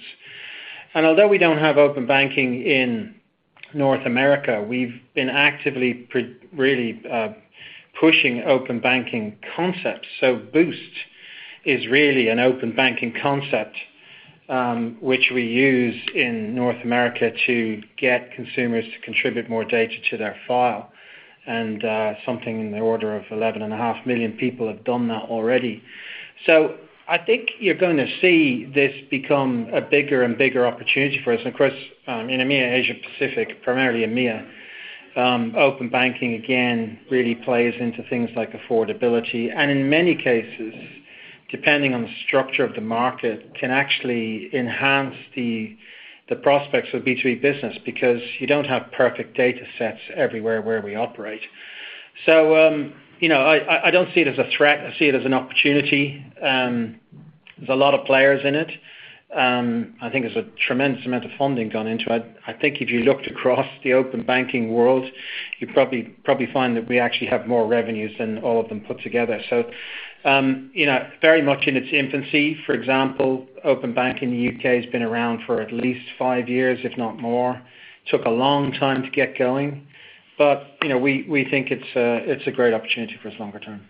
Although we don't have open banking in North America, we've been actively really pushing open banking concepts. Boost is really an open banking concept, which we use in North America to get consumers to contribute more data to their file. Something in the order of 11.5 million people have done that already. I think you're gonna see this become a bigger and bigger opportunity for us. Of course, in EMEA and Asia Pacific, primarily EMEA, open banking again really plays into things like affordability. In many cases, depending on the structure of the market, it can actually enhance the prospects for B2B business because you don't have perfect data sets everywhere where we operate. You know, I don't see it as a threat, I see it as an opportunity. There's a lot of players in it. I think there's a tremendous amount of funding gone into it. I think if you looked across the open banking world, you'd probably find that we actually have more revenues than all of them put together. You know, very much in its infancy. For example, open banking in the U.K. has been around for at least five years, if not more. Took a long time to get going. You know, we think it's a great opportunity for us longer term.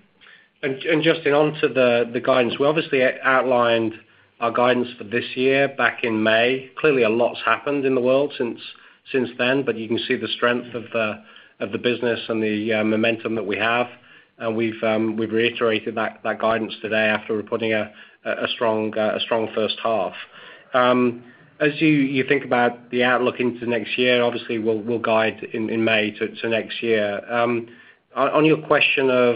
Justin, on to the guidance. We obviously outlined our guidance for this year back in May. Clearly, a lot's happened in the world since then, but you can see the strength of the business and the momentum that we have. We've reiterated that guidance today after reporting a strong H1. As you think about the outlook into next year, obviously we'll guide in May to next year. On your question of,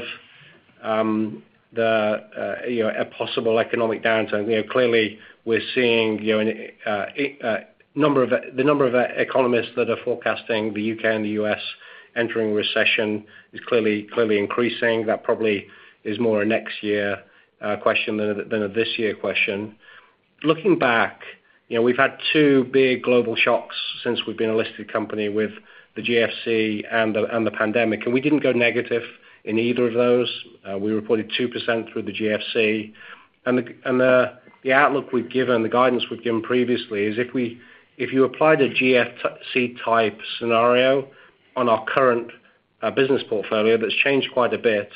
you know, a possible economic downturn, you know, clearly, we're seeing, you know, the number of economists that are forecasting the U.K. and the U.S. entering recession is clearly increasing. That probably is more a next year question than a this year question. Looking back, you know, we've had two big global shocks since we've been a listed company with the GFC and the pandemic, and we didn't go negative in either of those. We reported 2% through the GFC. The outlook we've given, the guidance we've given previously is if you apply the GFC type scenario on our current business portfolio, that's changed quite a bit,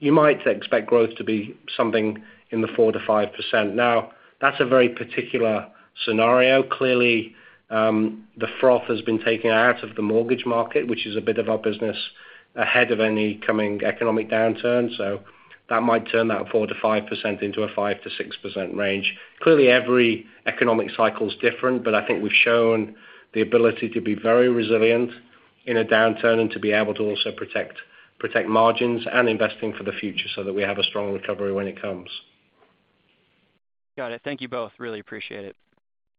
you might expect growth to be something in the 4 to 5%. Now, that's a very particular scenario. Clearly, the froth has been taken out of the mortgage market, which is a bit of our business ahead of any coming economic downturn. That might turn that 4 to 5% into a 5 to 6% range. Clearly, every economic cycle is different, but I think we've shown the ability to be very resilient in a downturn and to be able to also protect margins and investing for the future so that we have a strong recovery when it comes. Got it. Thank you both. Really appreciate it.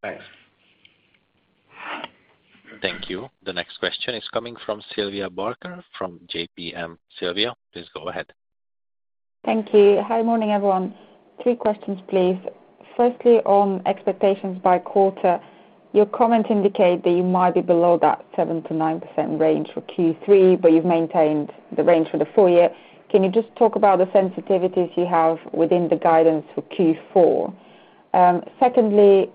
Thanks. Thank you. The next question is coming from Sylvia Barker from JPM. Sylvia, please go ahead. Thank you. Hi, morning, everyone. Three questions, please. Firstly, on expectations by quarter, your comments indicate that you might be below that 7 to 9% range for Q3, but you've maintained the range for the full year. Can you just talk about the sensitivities you have within the guidance for Q4? Secondly,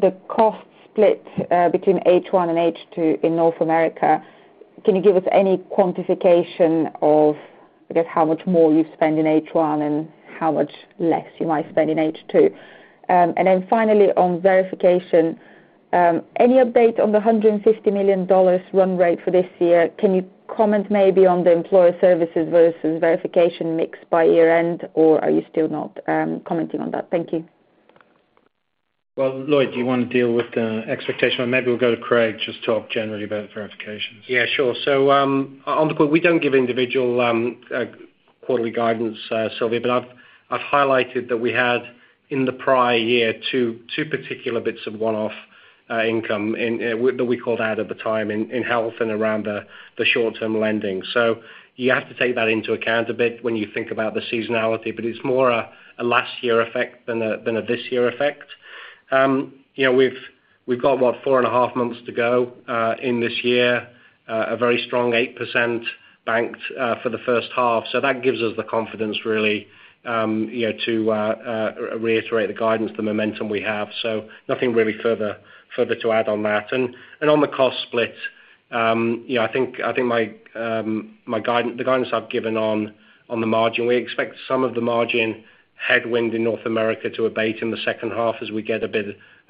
the cost split between H1 and H2 in North America, can you give us any quantification of, I guess, how much more you spend in H1 and how much less you might spend in H2? And then finally, on verification, any update on the $150 million run rate for this year? Can you comment maybe on the employer services versus verification mix by year-end? Or are you still not commenting on that? Thank you. Well, Lloyd, do you want to deal with the expectation? Maybe we'll go to Craig, just talk generally about verifications. Yeah, sure. On the call, we don't give individual quarterly guidance, Sylvia, but I've highlighted that we had, in the prior year, two particular bits of one-off income in that we called out at the time in health and around the short-term lending. You have to take that into account a bit when you think about the seasonality, but it's more a last year effect than this year effect. You know, we've got what, four and a half months to go in this year, a very strong 8% banked for the H1. That gives us the confidence really, you know, to reiterate the guidance, the momentum we have. Nothing really further to add on that. on the cost split, you know, I think my guidance, the guidance I've given on the margin, we expect some of the margin headwind in North America to abate in the H2 as we get a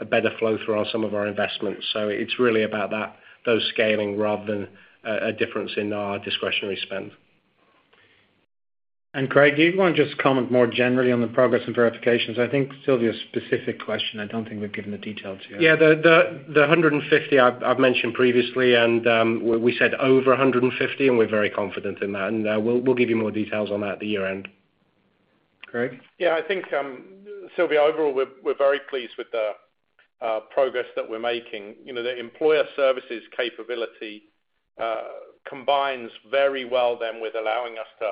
better flow through on some of our investments. So, it's really about those scaling rather than a difference in our discretionary spend. Craig, do you want to just comment more generally on the progress and verifications? I think Sylvia's specific question. I don't think we've given the details yet. Yeah, the 150 I've mentioned previously, and we said over 150, and we're very confident in that. We'll give you more details on that at the year-end. Craig? Yeah, I think, Sylvia, overall, we're very pleased with the progress that we're making. You know, the employer services capability combines very well then with allowing us to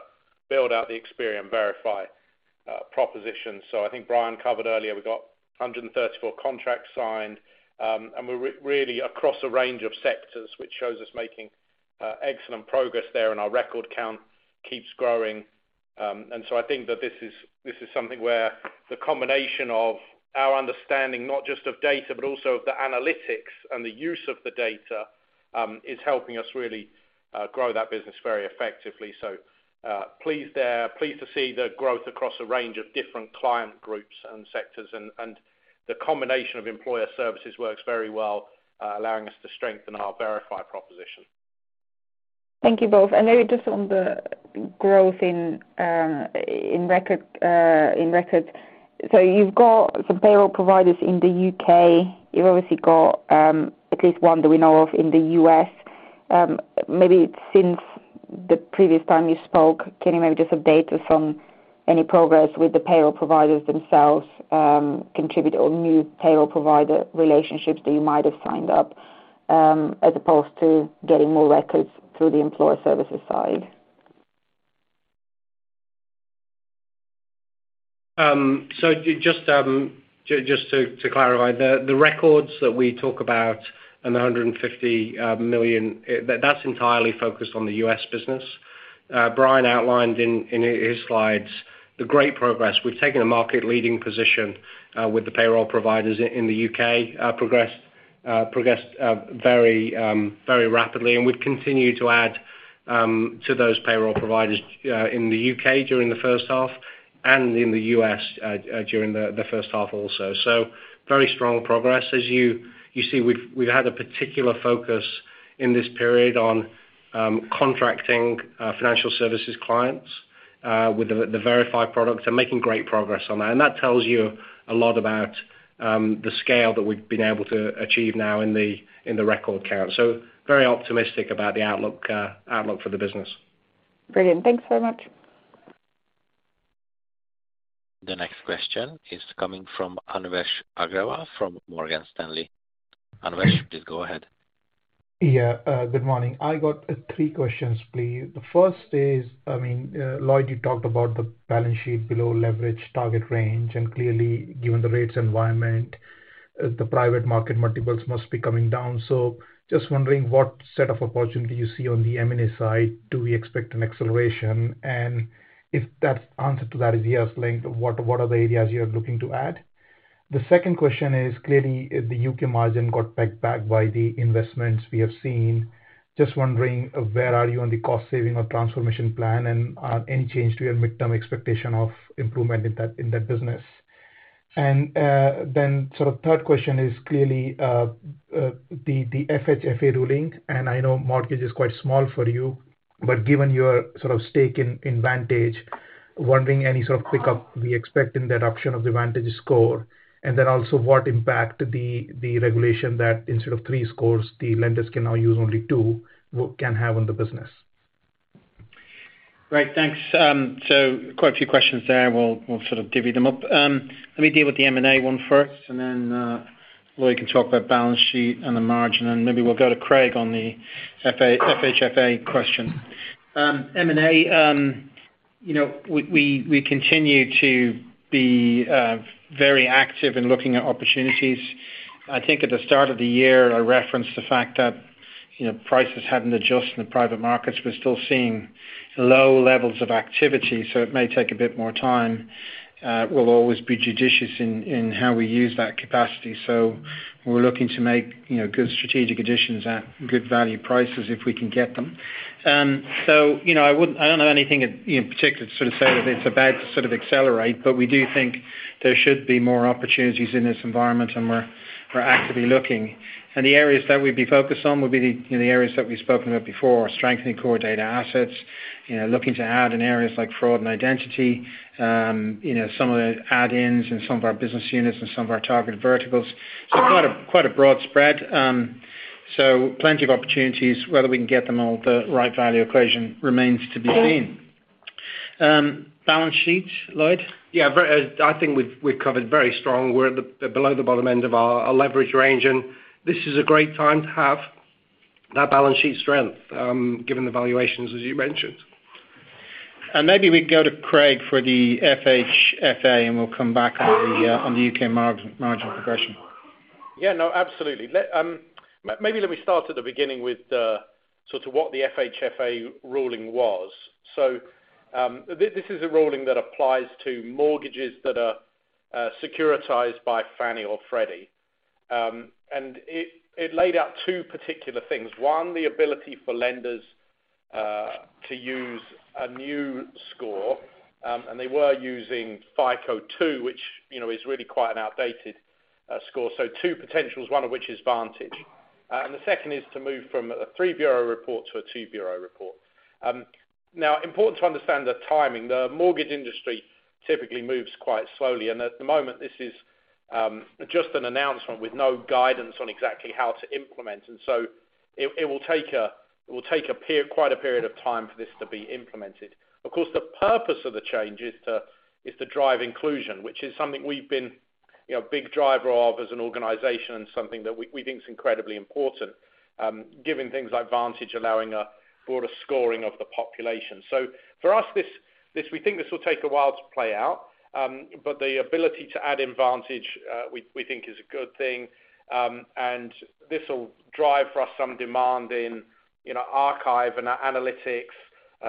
build out the Experian Verify proposition. I think Brian covered earlier, we got 134 contracts signed, and we're really across a range of sectors, which shows us making excellent progress there, and our record count keeps growing. I think that this is something where the combination of our understanding, not just of data, but also of the analytics and the use of the data, is helping us really grow that business very effectively. Pleased there. Pleased to see the growth across a range of different client groups and sectors and the combination of employer services works very well, allowing us to strengthen our Verify proposition. Thank you, both. Maybe just on the growth in records. You've got some payroll providers in the UK. You've obviously got at least one that we know of in the US. Maybe since the previous time you spoke, can you maybe just update us on any progress with the payroll providers themselves, contributor or new payroll provider relationships that you might have signed up, as opposed to getting more records through the employer services side? Just to clarify, the records that we talk about and the $150 million, that's entirely focused on the US business. Brian outlined in his slides the great progress. We've taken a market-leading position with the payroll providers in the UK, progressed very rapidly. We've continued to add to those payroll providers in the UK during the H1 and in the US during the H1 also. Very strong progress. As you see, we've had a particular focus in this period on contracting financial services clients with the Verify product and making great progress on that. That tells you a lot about the scale that we've been able to achieve now in the record count. Very optimistic about the outlook for the business. Brilliant. Thanks so much. The next question is coming from Anvesh Agrawal from Morgan Stanley. Anvesh, please go ahead. Yeah, good morning. I got three questions, please. The first is, I mean, Lloyd, you talked about the balance sheet below leverage target range, and clearly, given the rates environment, the private market multiples must be coming down. Just wondering what set of opportunities you see on the M&A side, do we expect an acceleration? And if the answer to that is yes, like, what are the areas you're looking to add? The second question is, clearly, the UK margin got held back by the investments we have seen. Just wondering where are you on the cost saving or transformation plan and any change to your midterm expectation of improvement in that business. Sort of third question is clearly the FHFA ruling, and I know mortgage is quite small for you, but given your sort of stake in VantageScore, wondering any sort of pickup we expect in the adoption of the VantageScore score, and then also what impact the regulation that instead of three scores, the lenders can now use only two can have on the business. Great. Thanks. So quite a few questions there. We'll sort of divvy them up. Let me deal with the M&A one first, and then Lloyd can talk about balance sheet and the margin, and maybe we'll go to Craig on the FHFA question. M&A, you know, we continue to be very active in looking at opportunities. I think at the start of the year, I referenced the fact that, you know, prices hadn't adjusted in the private markets. We're still seeing low levels of activity, so it may take a bit more time. We'll always be judicious in how we use that capacity. We're looking to make, you know, good strategic additions at good value prices if we can get them. You know, I don't know anything in particular to sort of say that it's about to sort of accelerate, but we do think there should be more opportunities in this environment, and we're actively looking. The areas that we'd be focused on would be the areas that we've spoken about before, strengthening core data assets, you know, looking to add in areas like fraud and identity, you know, some of the add-ins and some of our business units and some of our targeted verticals. Quite a broad spread. Plenty of opportunities. Whether we can get them all at the right value equation remains to be seen. Balance sheet, Lloyd? Yeah. I think we've covered very strong. We're below the bottom end of our leverage range, and this is a great time to have that balance sheet strength, given the valuations, as you mentioned. Maybe we go to Craig for the FHFA, and we'll come back on the UK margin progression. Yeah, no, absolutely. Maybe let me start at the beginning with the sort of what the FHFA ruling was. This is a ruling that applies to mortgages that are securitized by Fannie or Freddie. It laid out two particular things. One, the ability for lenders to use a new score, and they were using FICO 2, which, you know, is really quite an outdated score. Two potentials, one of which is Vantage. The second is to move from a three-bureau report to a two-bureau report. Now important to understand the timing. The mortgage industry typically moves quite slowly, and at the moment this is just an announcement with no guidance on exactly how to implement. It will take quite a period of time for this to be implemented. Of course, the purpose of the change is to drive inclusion, which is something we've been, you know, a big driver of as an organization and something that we think is incredibly important, given things like Vantage allowing a broader scoring of the population. For us, we think this will take a while to play out. The ability to add in Vantage, we think is a good thing. This will drive for us some demand in, you know, Ascend and analytics,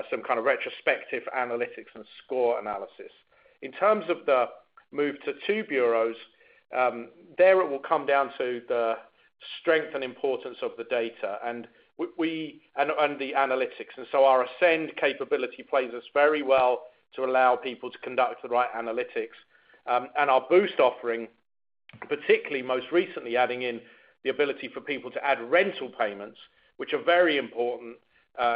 some kind of retrospective analytics and score analysis. In terms of the move to two bureaus, it will come down to the strength and importance of the data, and the analytics. Our Ascend capability positions us very well to allow people to conduct the right analytics. Our Boost offering, particularly most recently adding in the ability for people to add rental payments, which are very important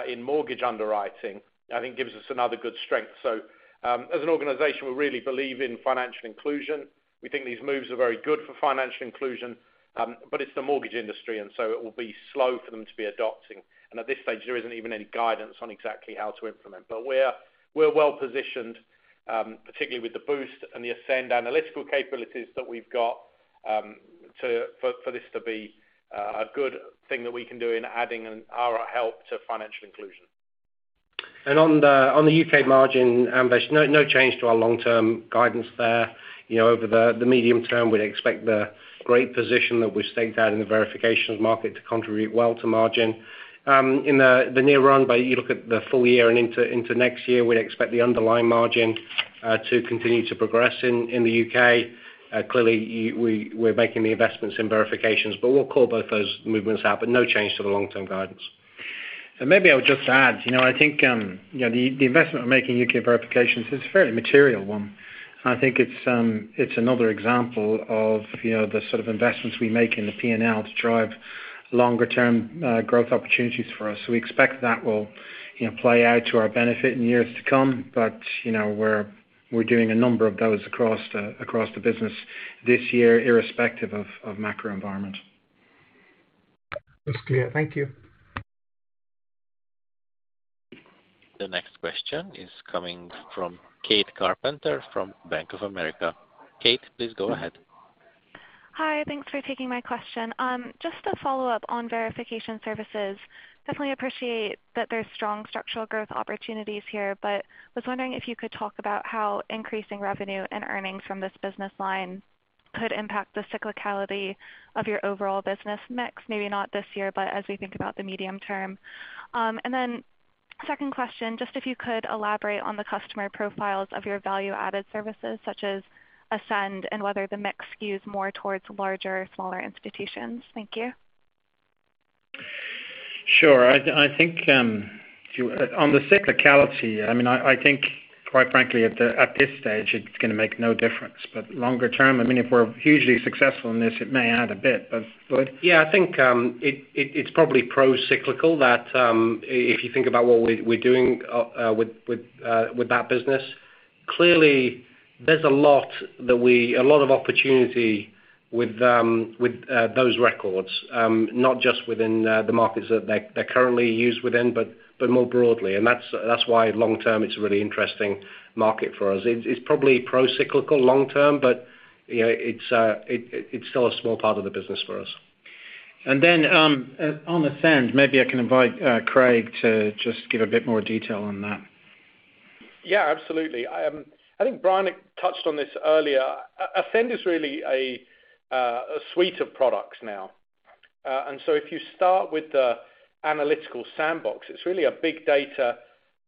in mortgage underwriting, I think gives us another good strength. As an organization, we really believe in financial inclusion. We think these moves are very good for financial inclusion, but it's the mortgage industry, and so it will be slow for them to be adopting. At this stage, there isn't even any guidance on exactly how to implement. We're well-positioned, particularly with the Boost and the Ascend analytical capabilities that we've got, for this to be a good thing that we can do in adding in our help to financial inclusion. On the UK margin, Anvesh, no change to our long-term guidance there. You know, over the medium term, we'd expect the great position that we've staked out in the verifications market to contribute well to margin. In the near term, you look at the full year and into next year, we'd expect the underlying margin to continue to progress in the UK. Clearly, we're making the investments in verifications. We'll call both those movements out, but no change to the long-term guidance. Maybe I would just add, you know, I think, you know, the investment we're making in UK verifications is a fairly material one. I think it's another example of, you know, the sort of investments we make in the P&L to drive longer-term, growth opportunities for us. We expect that will, you know, play out to our benefit in years to come. You know, we're doing a number of those across the business this year, irrespective of macro environment. That's clear. Thank you. The next question is coming from Kate Carpenter from Bank of America. Kate, please go ahead. Hi. Thanks for taking my question. Just to follow up on verification services, definitely appreciate that there's strong structural growth opportunities here, but was wondering if you could talk about how increasing revenue and earnings from this business line could impact the cyclicality of your overall business mix, maybe not this year, but as we think about the medium term. Second question, just if you could elaborate on the customer profiles of your value-added services such as Ascend and whether the mix skews more towards larger or smaller institutions. Thank you. Sure. I think on the cyclicality, I mean, I think quite frankly at this stage, it's gonna make no difference. Longer term, I mean, if we're hugely successful in this, it may add a bit. Lloyd? Yeah, I think it's probably procyclical that if you think about what we're doing with that business. Clearly there's a lot of opportunity with those records, not just within the markets that they're currently used within, but more broadly. That's why long term it's a really interesting market for us. It's probably procyclical long term but you know it's still a small part of the business for us. On Ascend, maybe I can invite Craig to just give a bit more detail on that. Yeah, absolutely. I think Brian touched on this earlier. Ascend is really a suite of products now. If you start with the analytical sandbox, it's really a big data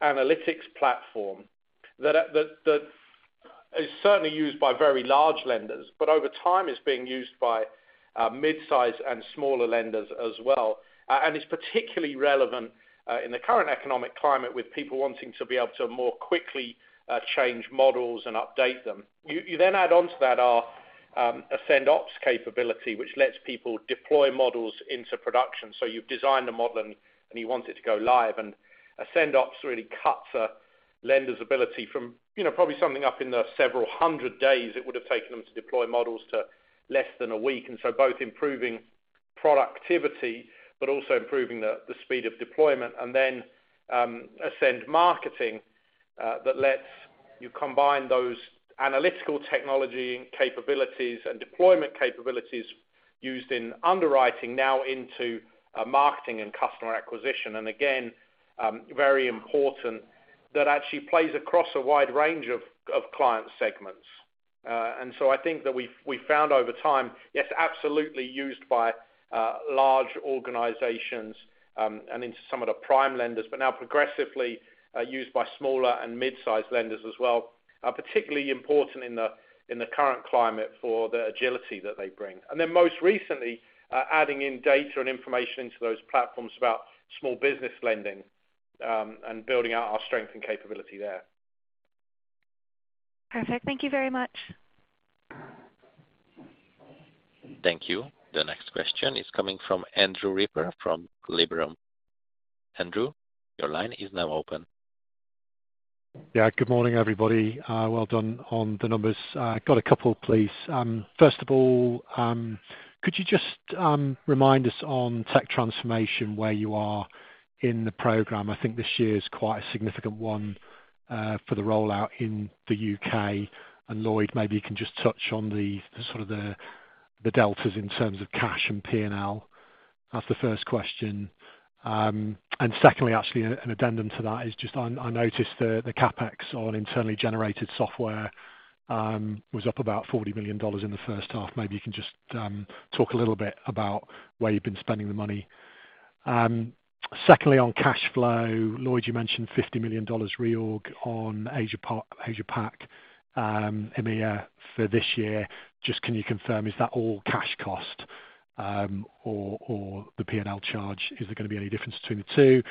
analytics platform that is certainly used by very large lenders, but over time is being used by mid-size and smaller lenders as well. It's particularly relevant in the current economic climate with people wanting to be able to more quickly change models and update them. You then add onto that our Ascend Ops capability, which lets people deploy models into production. You've designed the model and you want it to go live, and Ascend Ops really cuts a lender's ability from, you know, probably something up in the several hundred days it would've taken them to deploy models to less than a week. Both improving productivity but also improving the speed of deployment. Ascend Marketing that lets you combine those analytical technology capabilities and deployment capabilities used in underwriting now into marketing and customer acquisition. Very important that actually plays across a wide range of client segments. I think that we've found over time, yes, absolutely used by large organizations and into some of the prime lenders, but now progressively used by smaller and mid-size lenders as well, are particularly important in the current climate for the agility that they bring. Most recently adding in data and information into those platforms about small business lending and building out our strength and capability there. Perfect. Thank you very much. Thank you. The next question is coming from Andrew Ripper from Liberum. Andrew, your line is now open. Yeah. Good morning, everybody. Well done on the numbers. Got a couple, please. First of all, could you just remind us on tech transformation where you are in the program? I think this year is quite a significant one for the rollout in the UK. Lloyd, maybe you can just touch on the sort of deltas in terms of cash and P&L. That's the first question. Secondly, actually an addendum to that is just I noticed the CapEx on internally generated software was up about $40 million in the H1. Maybe you can just talk a little bit about where you've been spending the money. Secondly, on cash flow, Lloyd, you mentioned $50 million reorg on Asia Pac, EMEA for this year. Just can you confirm, is that all cash cost, or the P&L charge? Is there gonna be any difference between the two?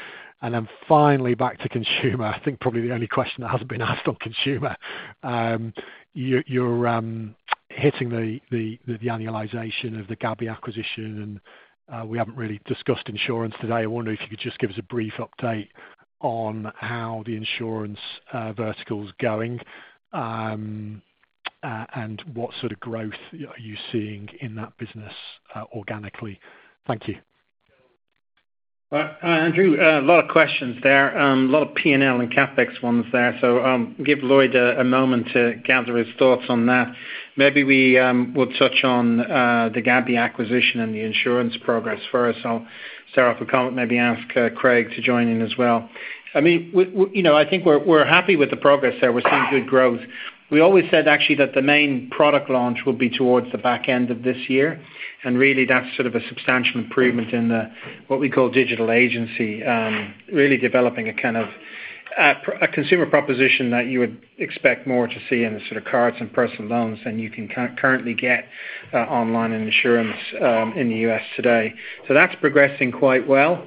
Finally, back to consumer. I think probably the only question that hasn't been asked on consumer. You're hitting the annualization of the Gabi acquisition, and we haven't really discussed insurance today. I wonder if you could just give us a brief update on how the insurance vertical is going, and what sort of growth are you seeing in that business, organically. Thank you. Andrew, a lot of questions there. A lot of P&L and CapEx ones there. I'll give Lloyd a moment to gather his thoughts on that. Maybe we would touch on the Gabi acquisition and the insurance progress first. I'll start off with a comment, maybe ask Craig to join in as well. I mean, you know, I think we're happy with the progress there. We're seeing good growth. We always said, actually, that the main product launch will be towards the back end of this year. Really that's sort of a substantial improvement in the, what we call digital agency. Really developing a kind of a consumer proposition that you would expect more to see in the sort of cards and personal loans than you can currently get online and insurance in the US today. That's progressing quite well.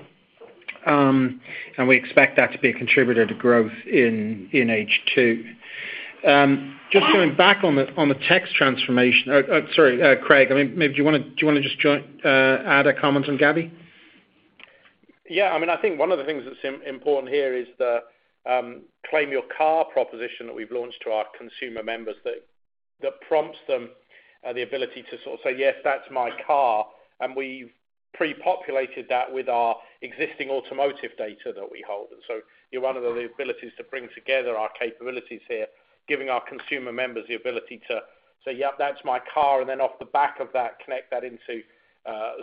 We expect that to be a contributor to growth in H2. Just going back on the tech transformation. Sorry, Craig, I mean, maybe do you wanna just join, add a comment on Gabi? Yeah. I mean, I think one of the things that's important here is the Claim Your Car proposition that we've launched to our consumer members that prompts them the ability to sort of say, "Yes, that's my car." We've pre-populated that with our existing automotive data that we hold. One of the abilities to bring together our capabilities here, giving our consumer members the ability to say, "Yep, that's my car," and then off the back of that, connect that into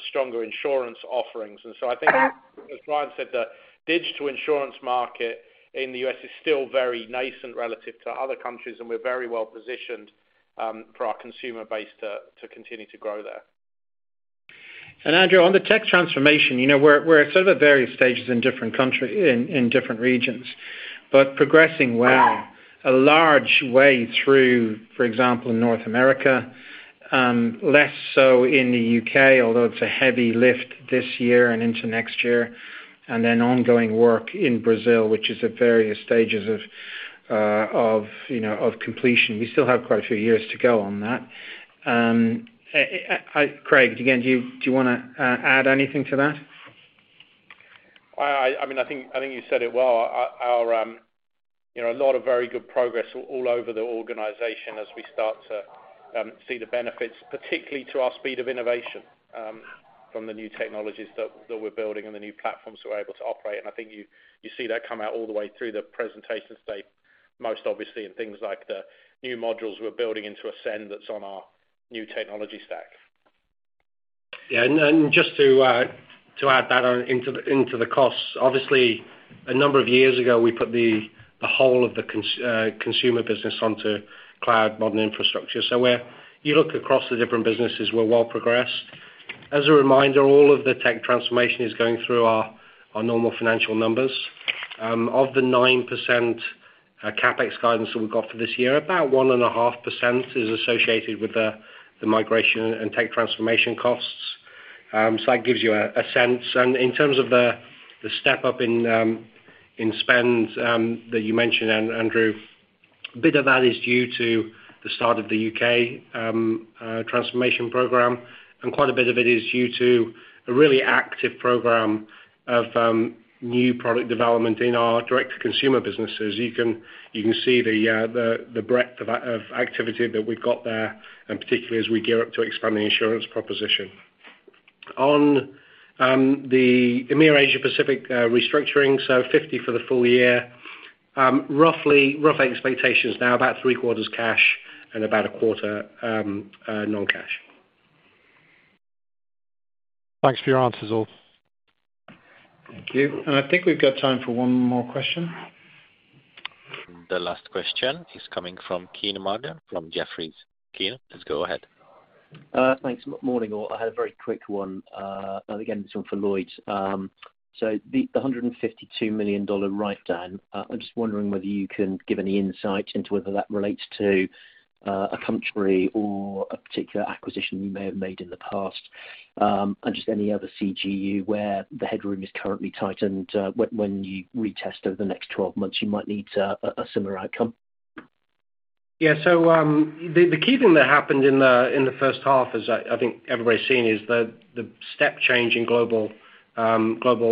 stronger insurance offerings. I think, as Brian said, the digital insurance market in the U.S. is still very nascent relative to other countries, and we're very well-positioned for our consumer base to continue to grow there. Andrew, on the tech transformation, you know, we're at sort of various stages in different countries in different regions, but progressing well. A large way through, for example, in North America, less so in the UK, although it's a heavy lift this year and into next year, and then ongoing work in Brazil, which is at various stages of, you know, completion. We still have quite a few years to go on that. Craig, again, do you wanna add anything to that? I mean, I think you said it well. Our you know, a lot of very good progress all over the organization as we start to see the benefits, particularly to our speed of innovation, from the new technologies that we're building and the new platforms we're able to operate. I think you see that come out all the way through the presentation, stated most obviously in things like the new modules we're building into Ascend, that's on our new technology stack. Yeah. Just to add that on into the costs. Obviously, a number of years ago, we put the whole of the consumer business onto cloud modern infrastructure. Where you look across the different businesses, we're well progressed. As a reminder, all of the tech transformation is going through our normal financial numbers. Of the 9% CapEx guidance that we've got for this year, about 1.5% is associated with the migration and tech transformation costs. That gives you a sense. In terms of the step-up in spend that you mentioned, Andrew, a bit of that is due to the start of the UK transformation program, and quite a bit of it is due to a really active program of new product development in our direct to consumer businesses. You can see the breadth of activity that we've got there, and particularly as we gear up to expand the insurance proposition. On the EMEA and Asia Pacific restructuring, $50 for the full year. Roughly our expectations now, about three-quarters cash and about a quarter non-cash. Thanks for your answers all. Thank you. I think we've got time for one more question. The last question is coming from Kean Marden from Jefferies. Kean, let's go ahead. Thanks. Morning, all. I had a very quick one. Again, this one for Lloyd. The $152 million write-down, I'm just wondering whether you can give any insight into whether that relates to A country or a particular acquisition you may have made in the past, and just any other CGU where the headroom is currently tightened, when you retest over the next 12 months, you might need a similar outcome. The key thing that happened in the H1 is I think everybody's seen is the step change in global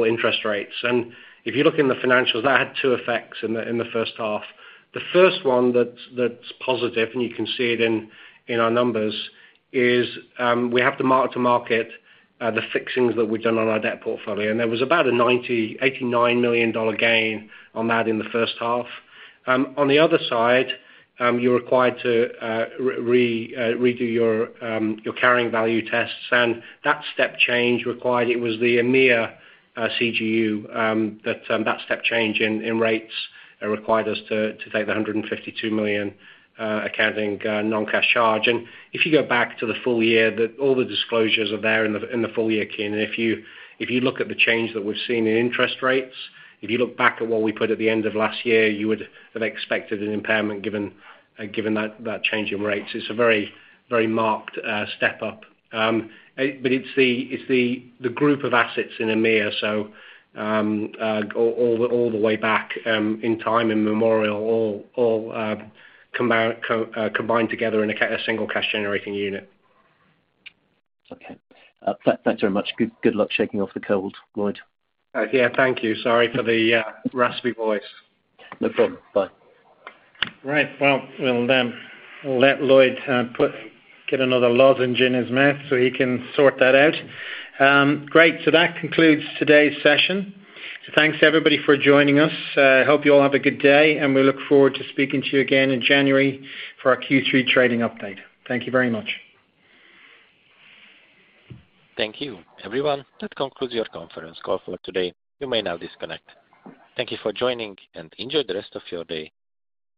interest rates. If you look in the financials, that had two effects in the H1. The first one that's positive, and you can see it in our numbers, is we have to mark to market the fixings that we've done on our debt portfolio. There was about a $89 million gain on that in the H1. On the other side, you're required to redo your carrying value tests. It was the EMEA CGU that step change in rates required us to take the 152 million accounting non-cash charge. If you go back to the full year, all the disclosures are there in the full year, Kean. If you look at the change that we've seen in interest rates, if you look back at what we put at the end of last year, you would have expected an impairment given that change in rates. It's a very marked step up. It's the group of assets in EMEA all the way back in time immemorial combined together in a single cash generating unit. Okay. Thanks very much. Good luck shaking off the cold, Lloyd. Yeah, thank you. Sorry for the raspy voice. No problem. Bye. Right. Well, we'll then let Lloyd get another lozenge in his mouth, so he can sort that out. Great. That concludes today's session. Thanks everybody for joining us. Hope you all have a good day, and we look forward to speaking to you again in January for our Q3 trading update. Thank you very much. Thank you, everyone. That concludes your conference call for today. You may now disconnect. Thank you for joining, and enjoy the rest of your day.